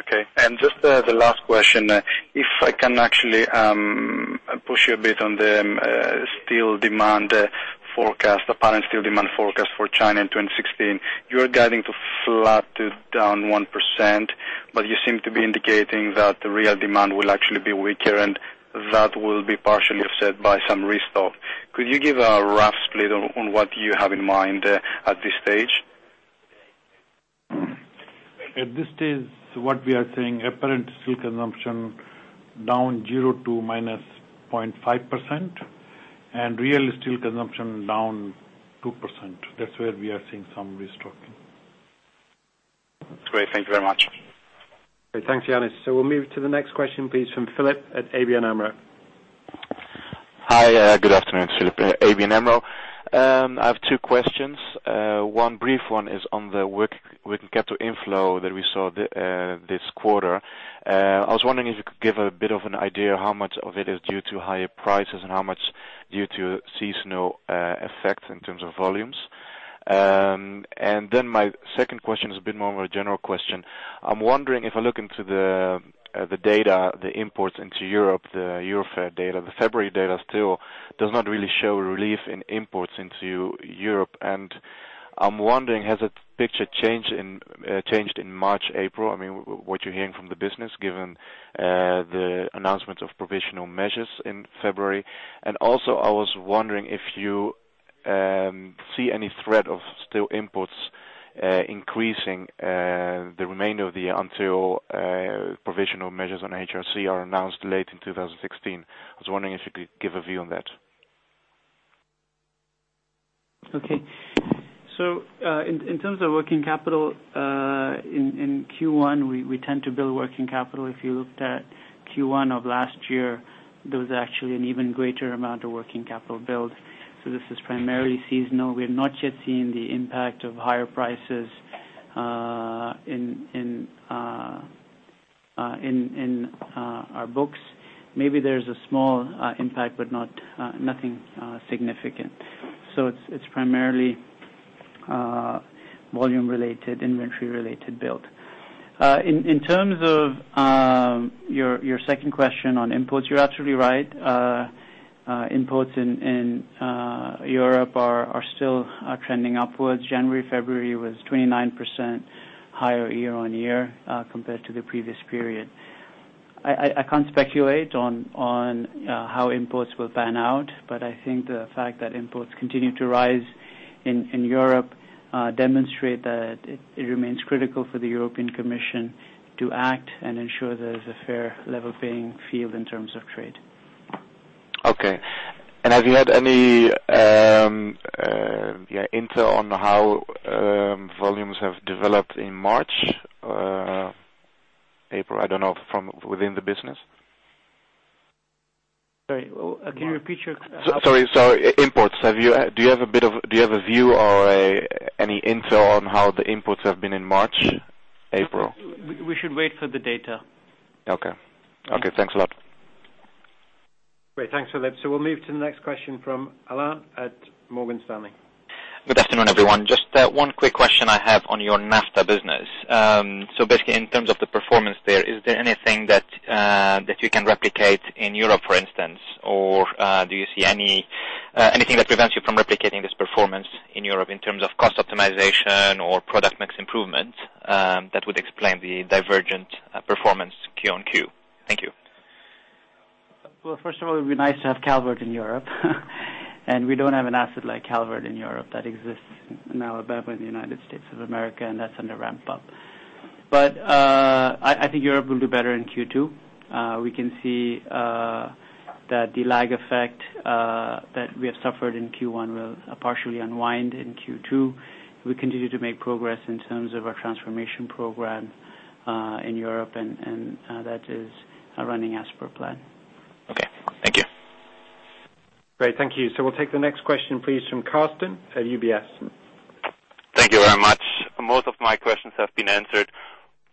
Okay. Just the last question, if I can actually push you a bit on the steel demand forecast, apparent steel demand forecast for China in 2016. You are guiding to flat to down 1%, you seem to be indicating that the real demand will actually be weaker and that will be partially offset by some restock. Could you give a rough split on what you have in mind at this stage? At this stage, what we are saying, apparent steel consumption down 0 to -0.5%, and real steel consumption down 2%. That's where we are seeing some restocking. Great. Thank you very much. Okay. Thanks, Ioannis. We'll move to the next question, please, from Philip at ABN AMRO. Hi, good afternoon. Philip, ABN AMRO. I have two questions. One brief one is on the working capital inflow that we saw this quarter. I was wondering if you could give a bit of an idea how much of it is due to higher prices and how much due to seasonal effects in terms of volumes. My second question is a bit more of a general question. I'm wondering if I look into the data, the imports into Europe, the Eurofer data, the February data still does not really show a relief in imports into Europe. And I'm wondering, has that picture changed in March, April? I mean, what you're hearing from the business, given the announcement of provisional measures in February. Also I was wondering if you see any threat of steel imports increasing the remainder of the year until provisional measures on HRC are announced late in 2016. I was wondering if you could give a view on that. Okay. In terms of working capital, in Q1, we tend to build working capital. If you looked at Q1 of last year, there was actually an even greater amount of working capital build. This is primarily seasonal. We have not yet seen the impact of higher prices in our books. Maybe there's a small impact, but nothing significant. It's primarily volume-related, inventory-related build. In terms of your second question on imports, you're absolutely right. Imports in Europe are still trending upwards. January, February was 29% higher year-on-year compared to the previous period. I can't speculate on how imports will pan out, but I think the fact that imports continue to rise in Europe demonstrate that it remains critical for the European Commission to act and ensure there is a fair, level playing field in terms of trade. Okay. Have you had any intel on how volumes have developed in March, April? I don't know from within the business. Sorry, can you repeat your- Sorry. Imports. Do you have a view or any intel on how the imports have been in March, April? We should wait for the data. Okay. Thanks a lot. Great. Thanks, Philip. We'll move to the next question from Alain at Morgan Stanley. Good afternoon, everyone. Just one quick question I have on your NAFTA business. Basically, in terms of the performance there, is there anything that you can replicate in Europe, for instance, or do you see anything that prevents you from replicating this performance in Europe in terms of cost optimization or product mix improvement that would explain the divergent performance Q on Q? Thank you. Well, first of all, it would be nice to have Calvert in Europe. We don't have an asset like Calvert in Europe that exists now, but in the United States of America, and that's under ramp up. I think Europe will do better in Q2. We can see that the lag effect that we have suffered in Q1 will partially unwind in Q2. We continue to make progress in terms of our transformation program in Europe, and that is running as per plan. Okay. Thank you. Great. Thank you. We'll take the next question, please, from Carsten at UBS. Thank you very much. Most of my questions have been answered.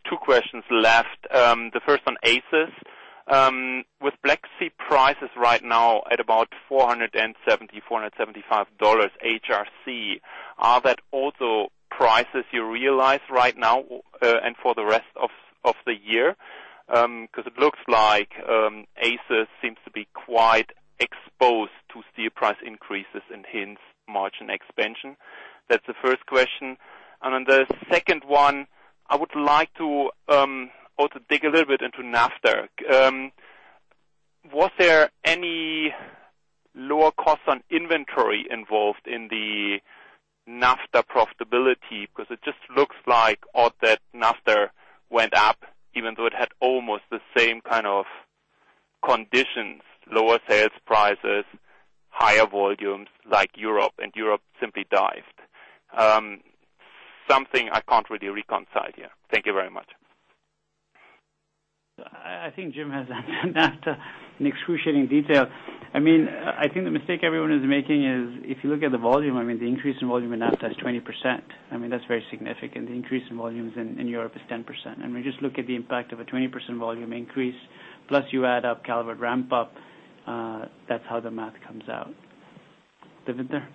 Two questions left. The first on ACIS. With Black Sea prices right now at about $470, $475 HRC, are that also prices you realize right now and for the rest of the year? It looks like ACIS seems to be quite exposed to steel price increases and hence margin expansion. That's the first question. The second one, I would like to also dig a little bit into NAFTA. Was there any lower cost on inventory involved in the NAFTA profitability? It just looks odd that NAFTA went up even though it had almost the same kind of conditions, lower sales prices, higher volumes like Europe, and Europe simply dived. Something I can't really reconcile here. Thank you very much. I think Jim has NAFTA in excruciating detail. I think the mistake everyone is making is if you look at the volume, the increase in volume in NAFTA is 20%. That's very significant. The increase in volumes in Europe is 10%. We just look at the impact of a 20% volume increase. Plus you add up Calvert ramp up, that's how the math comes out. Davinder?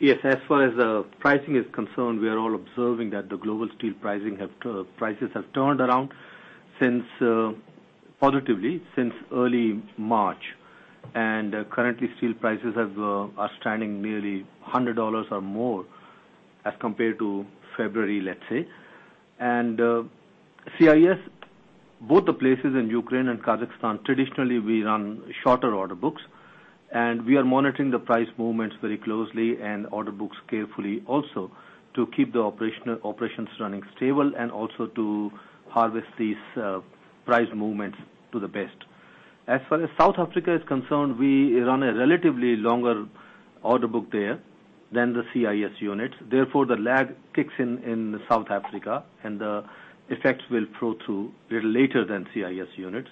Yes. As far as the pricing is concerned, we are all observing that the global steel prices have turned around positively since early March. Currently, steel prices are standing nearly $100 or more as compared to February, let's say. CIS, both the places in Ukraine and Kazakhstan, traditionally, we run shorter order books, and we are monitoring the price movements very closely and order books carefully also to keep the operations running stable and also to harvest these price movements to the best. As far as South Africa is concerned, we run a relatively longer order book there than the CIS units. Therefore, the lag kicks in in South Africa, and the effects will flow through a little later than CIS units.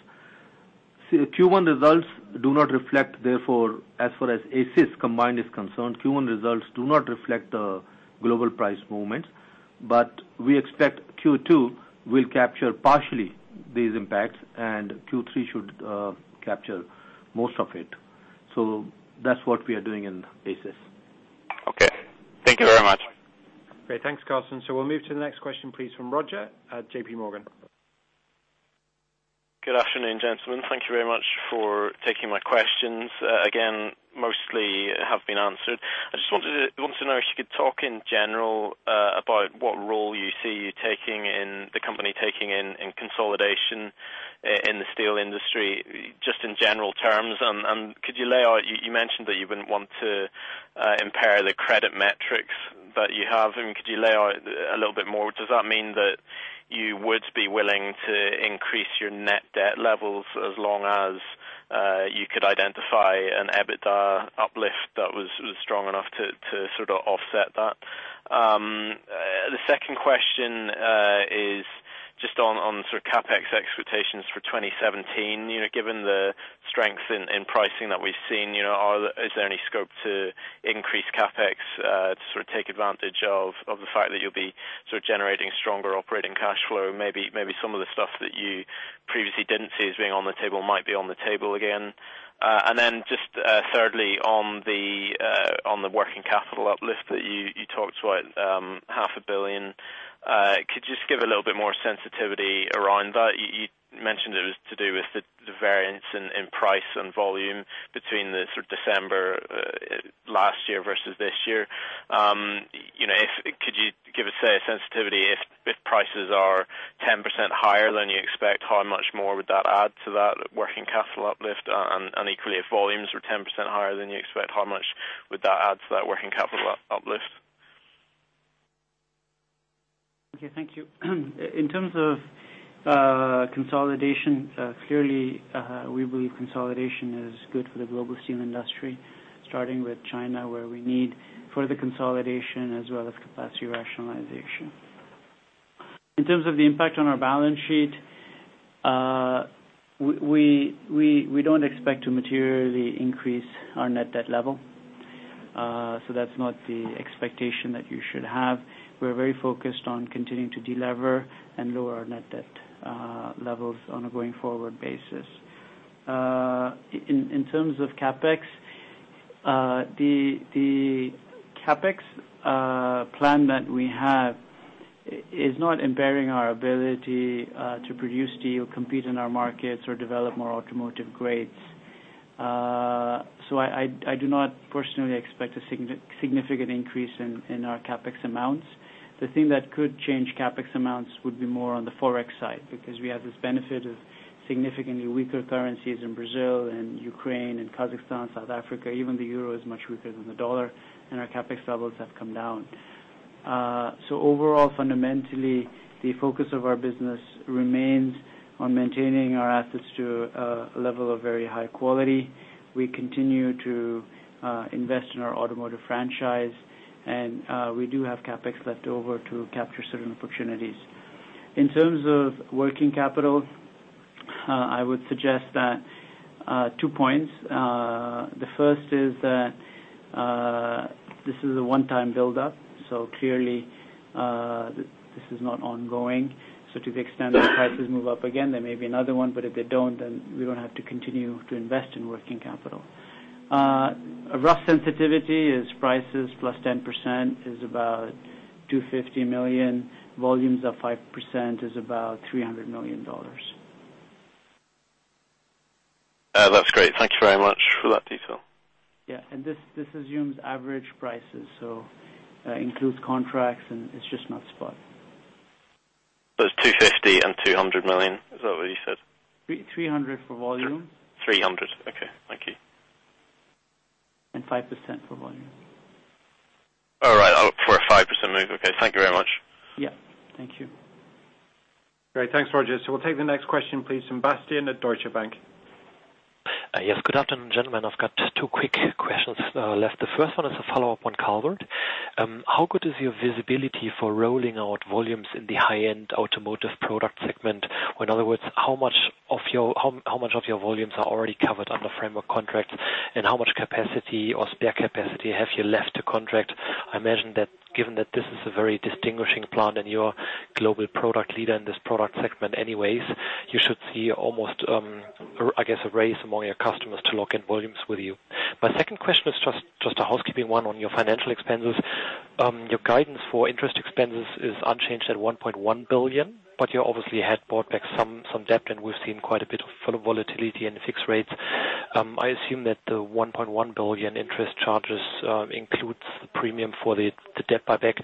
Q1 results do not reflect, therefore, as far as ACIS combined is concerned, Q1 results do not reflect the global price movements. We expect Q2 will capture partially these impacts, and Q3 should capture most of it. That's what we are doing in ACIS. Okay. Thank you very much. Great. Thanks, Carsten. We'll move to the next question, please, from Roger at JPMorgan. Good afternoon, gentlemen. Thank you very much for taking my questions. Again, mostly have been answered. I just wanted to know if you could talk in general about what role you see the company taking in consolidation in the steel industry, just in general terms. Could you lay out, you mentioned that you wouldn't want to impair the credit metrics that you have, and could you lay out a little bit more? Does that mean that you would be willing to increase your net debt levels as long as you could identify an EBITDA uplift that was strong enough to sort of offset that? The second question is just on sort of CapEx expectations for 2017. Given the strength in pricing that we've seen, is there any scope to increase CapEx to sort of take advantage of the fact that you'll be generating stronger operating cash flow? Maybe some of the stuff that you previously didn't see as being on the table might be on the table again. Thirdly, on the working capital uplift that you talked about, half a billion. Could you just give a little bit more sensitivity around that? You mentioned it was to do with the variance in price and volume between the sort of December last year versus this year. Could you give us a sensitivity if prices are 10% higher than you expect, how much more would that add to that working capital uplift? Equally, if volumes are 10% higher than you expect, how much would that add to that working capital uplift? Okay. Thank you. In terms of consolidation, clearly, we believe consolidation is good for the global steel industry, starting with China, where we need further consolidation as well as capacity rationalization. In terms of the impact on our balance sheet, we don't expect to materially increase our net debt level. That's not the expectation that you should have. We're very focused on continuing to delever and lower our net debt levels on a going-forward basis. In terms of CapEx, the CapEx plan that we have is not impairing our ability to produce steel, compete in our markets, or develop more automotive grades. I do not personally expect a significant increase in our CapEx amounts. The thing that could change CapEx amounts would be more on the ForEx side, because we have this benefit of significantly weaker currencies in Brazil and Ukraine and Kazakhstan, South Africa. Even the euro is much weaker than the dollar, our CapEx levels have come down. Overall, fundamentally, the focus of our business remains on maintaining our assets to a level of very high quality. We continue to invest in our automotive franchise, we do have CapEx left over to capture certain opportunities. In terms of working capital, I would suggest two points. The first is that this is a one-time buildup, clearly, this is not ongoing. To the extent that prices move up again, there may be another one, if they don't, we don't have to continue to invest in working capital. A rough sensitivity is prices plus 10% is about $250 million. Volumes of 5% is about $300 million. That's great. Thank you very much for that detail. Yeah. This assumes average prices, so includes contracts and it's just not spot. It's $250 million and $200 million. Is that what you said? 300 for volume. 300. Okay. Thank you. 5% for volume. All right. For a 5% move. Okay. Thank you very much. Yeah. Thank you. Great. Thanks, Roger. We'll take the next question, please, from Bastian at Deutsche Bank. Yes, good afternoon, gentlemen. I've got two quick questions left. The first one is a follow-up on Calvert. How good is your visibility for rolling out volumes in the high-end automotive product segment? In other words, how much of your volumes are already covered under framework contracts, and how much capacity or spare capacity have you left to contract? I imagine that given that this is a very distinguishing plant and you're a global product leader in this product segment anyways, you should see a race among your customers to lock in volumes with you. My second question is just a housekeeping one on your financial expenses. Your guidance for interest expenses is unchanged at 1.1 billion, but you obviously had bought back some debt, and we've seen quite a bit of volatility in the fixed rates. I assume that the 1.1 billion interest charges includes the premium for the debt buyback.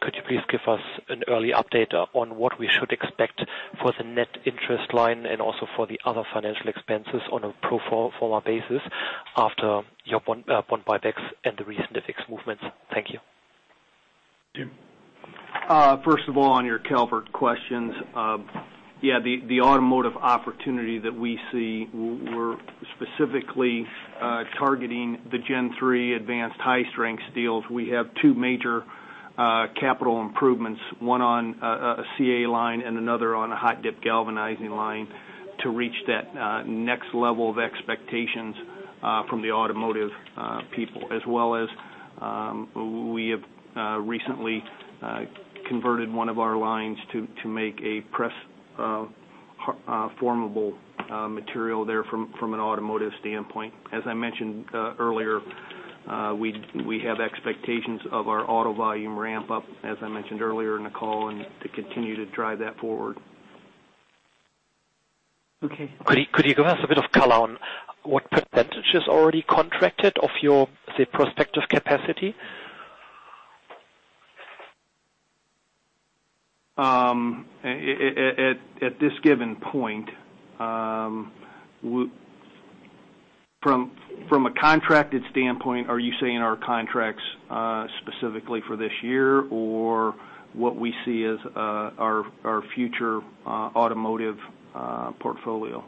Could you please give us an early update on what we should expect for the net interest line and also for the other financial expenses on a pro forma basis after your bond buybacks and the recent FX movements? Thank you. Jim. First of all, on your Calvert questions. The automotive opportunity that we see, we're specifically targeting the Gen three advanced high-strength steels. We have two major capital improvements, one on a CAL line and another on a hot-dip galvanizing line to reach that next level of expectations from the automotive people, as well as we have recently converted one of our lines to make a press formable material there from an automotive standpoint. As I mentioned earlier, we have expectations of our auto volume ramp up, as I mentioned earlier in the call, and to continue to drive that forward. Okay. Could you give us a bit of color on what percentage is already contracted of your, say, prospective capacity? At this given point, from a contracted standpoint, are you saying our contracts specifically for this year, or what we see as our future automotive portfolio?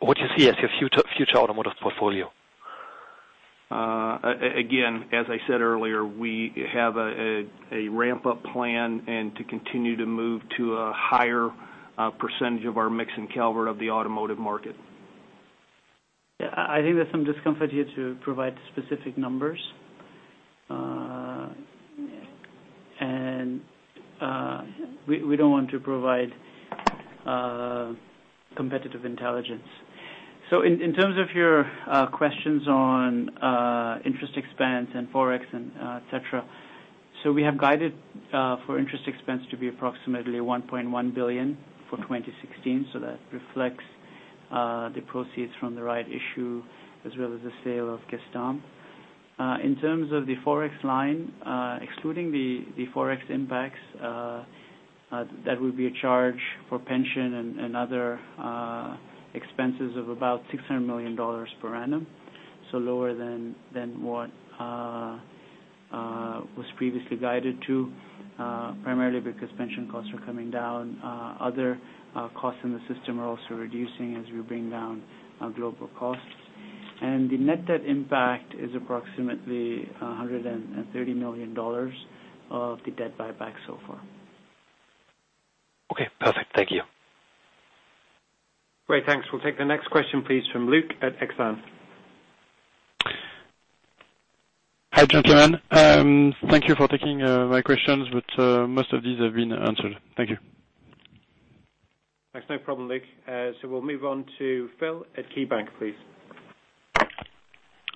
What you see as your future automotive portfolio. As I said earlier, we have a ramp-up plan and to continue to move to a higher percentage of our mix in Calvert of the automotive market. I think there's some discomfort here to provide specific numbers. We don't want to provide competitive intelligence. In terms of your questions on interest expense and Forex, et cetera, we have guided for interest expense to be approximately $1.1 billion for 2016. That reflects the proceeds from the right issue as well as the sale of Gestamp. In terms of the Forex line, excluding the Forex impacts, that would be a charge for pension and other expenses of about $600 million per annum, lower than what was previously guided to, primarily because pension costs are coming down. Other costs in the system are also reducing as we bring down our global costs. The net debt impact is approximately $130 million of the debt buyback so far. Okay, perfect. Thank you. Great, thanks. We'll take the next question, please, from Luke at Exane. Hi, gentlemen. Thank you for taking my questions. Most of these have been answered. Thank you. Thanks. No problem, Luke. We'll move on to Phil at KeyBanc, please.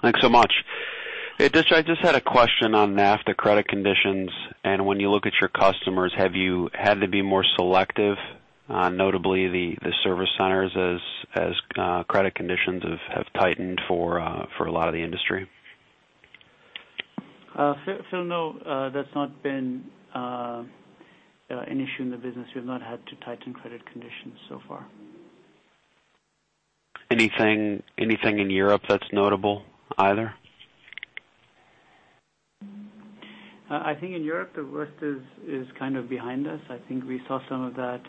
Thanks so much. Hey, I just had a question on NAFTA credit conditions, and when you look at your customers, have you had to be more selective on notably the service centers as credit conditions have tightened for a lot of the industry? Phil, no, that's not been an issue in the business. We've not had to tighten credit conditions so far. Anything in Europe that's notable either? I think in Europe, the worst is kind of behind us. I think we saw some of that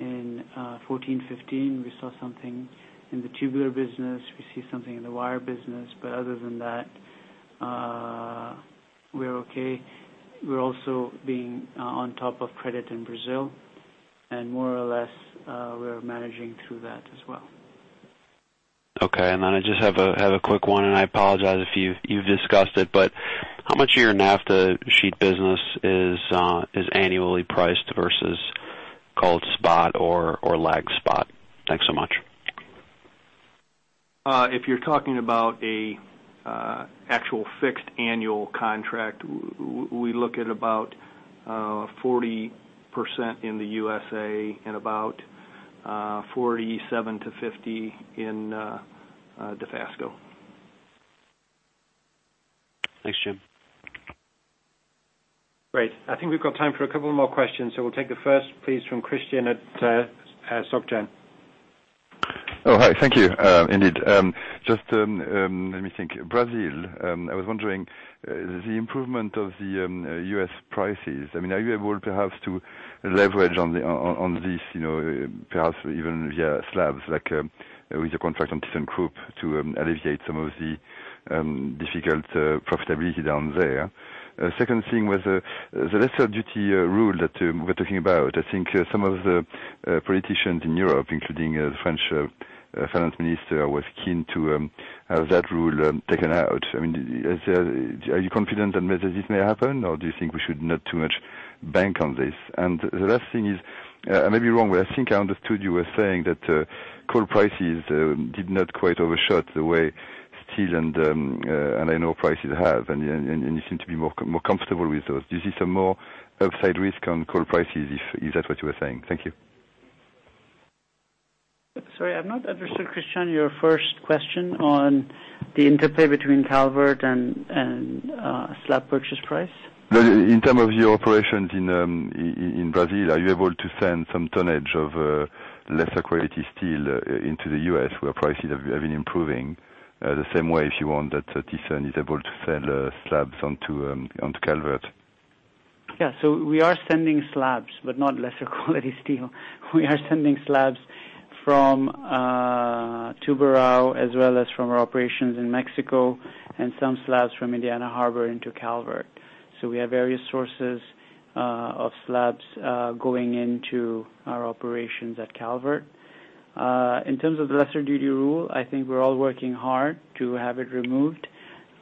in 2014, 2015. We saw something in the tubular business. We see something in the wire business. Other than that, we're okay. We're also being on top of credit in Brazil, and more or less, we're managing through that as well. Okay. I just have a quick one, and I apologize if you've discussed it, but how much of your NAFTA sheet business is annually priced versus called spot or lagged spot? Thanks so much. If you're talking about an actual fixed annual contract, we look at about 40% in the USA and about 47%-50% in Dofasco. Thanks, Jim. Great. I think we've got time for a couple more questions, we'll take the first, please, from Christian at Soc Gen. Oh, hi. Thank you. Indeed. Just let me think. Brazil, I was wondering, the improvement of the U.S. prices, are you able, perhaps, to leverage on this, perhaps even via slabs, like with your contract on [INAUDIBLE] to alleviate some of the difficult profitability down there? Second thing was the lesser duty rule that we're talking about. I think some of the politicians in Europe, including the French finance minister, were keen to have that rule taken out. Are you confident that this may happen, or do you think we should not bank on this too much? The last thing is, I may be wrong, but I think I understood you were saying that coal prices did not quite overshot the way steel and aluminum prices have, and you seem to be more comfortable with those. Do you see some more upside risk on coal prices if that's what you were saying? Thank you. Sorry, I've not understood, Christian, your first question on the interplay between Calvert and slab purchase price. In terms of your operations in Brazil, are you able to send some tonnage of lesser quality steel into the U.S., where prices have been improving? The same way, if you want, that ThyssenKrupp is able to sell slabs onto Calvert. We are sending slabs, but not lesser quality steel. We are sending slabs from Tubarão as well as from our operations in Mexico and some slabs from Indiana Harbor into Calvert. We have various sources of slabs going into our operations at Calvert. In terms of the lesser duty rule, I think we're all working hard to have it removed.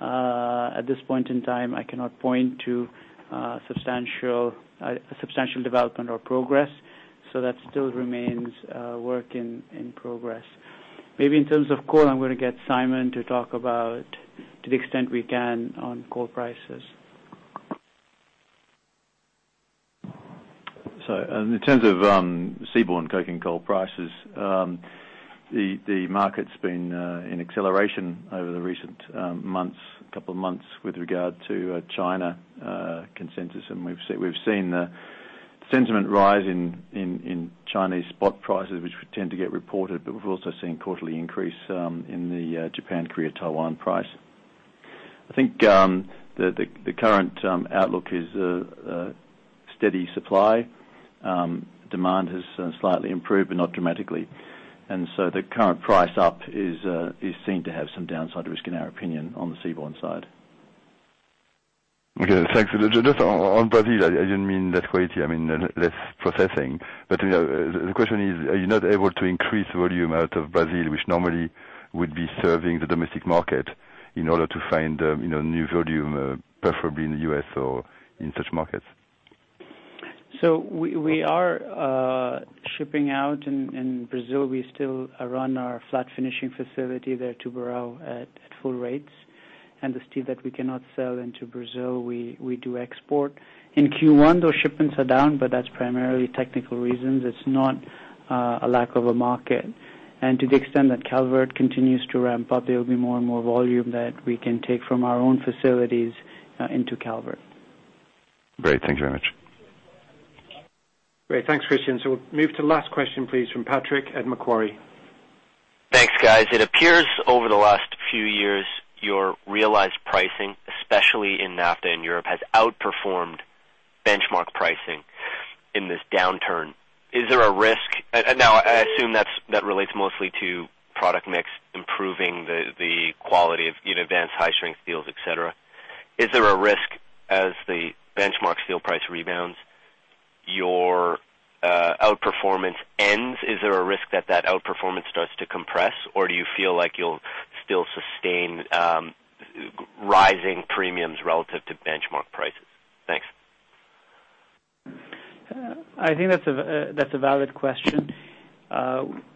At this point in time, I cannot point to substantial development or progress. That still remains a work in progress. Maybe in terms of coal, I'm going to get Simon to talk about to the extent we can on coal prices. In terms of seaborne coking coal prices, the market's been in acceleration over the recent couple of months with regard to China consensus. We've seen the sentiment rise in Chinese spot prices, which tend to get reported, but we've also seen quarterly increase in the Japan-Korea-Taiwan price. I think the current outlook is a steady supply. Demand has slightly improved, but not dramatically. The current price up is seen to have some downside risk, in our opinion, on the seaborne side. Okay, thanks. Just on Brazil, I didn't mean less quality, I mean less processing. The question is, are you not able to increase volume out of Brazil, which normally would be serving the domestic market in order to find new volume, preferably in the U.S. or in such markets? We are shipping out. In Brazil, we still run our flat finishing facility there at Tubarão at full rates. The steel that we cannot sell into Brazil, we do export. In Q1, those shipments are down, but that's primarily technical reasons. It's not a lack of a market. To the extent that Calvert continues to ramp up, there will be more and more volume that we can take from our own facilities into Calvert. Great. Thank you very much. Great. Thanks, Christian. We'll move to the last question, please, from Patrick at Macquarie. Thanks, guys. It appears over the last few years, your realized pricing, especially in NAFTA and Europe, has outperformed benchmark pricing in this downturn. Now, I assume that relates mostly to product mix, improving the quality of advanced high-strength steels, et cetera. Is there a risk as the benchmark steel price rebounds, your outperformance ends? Is there a risk that that outperformance starts to compress, or do you feel like you'll still sustain rising premiums relative to benchmark prices? Thanks. I think that's a valid question.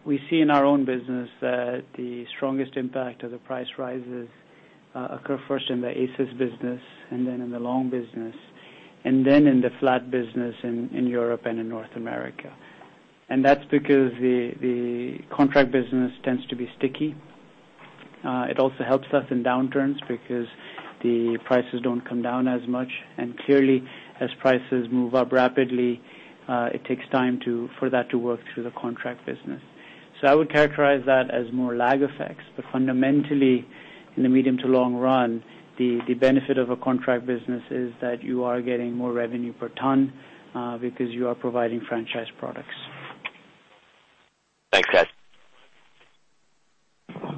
We see in our own business that the strongest impact of the price rises occur first in the ACIS business and then in the long business, and then in the flat business in Europe and in North America. That's because the contract business tends to be sticky. It also helps us in downturns because the prices don't come down as much. Clearly, as prices move up rapidly, it takes time for that to work through the contract business. I would characterize that as more lag effects. Fundamentally, in the medium to long run, the benefit of a contract business is that you are getting more revenue per ton because you are providing franchise products. Thanks, guys.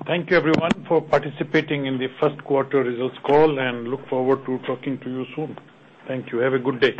Thank you everyone for participating in the first quarter results call and look forward to talking to you soon. Thank you. Have a good day.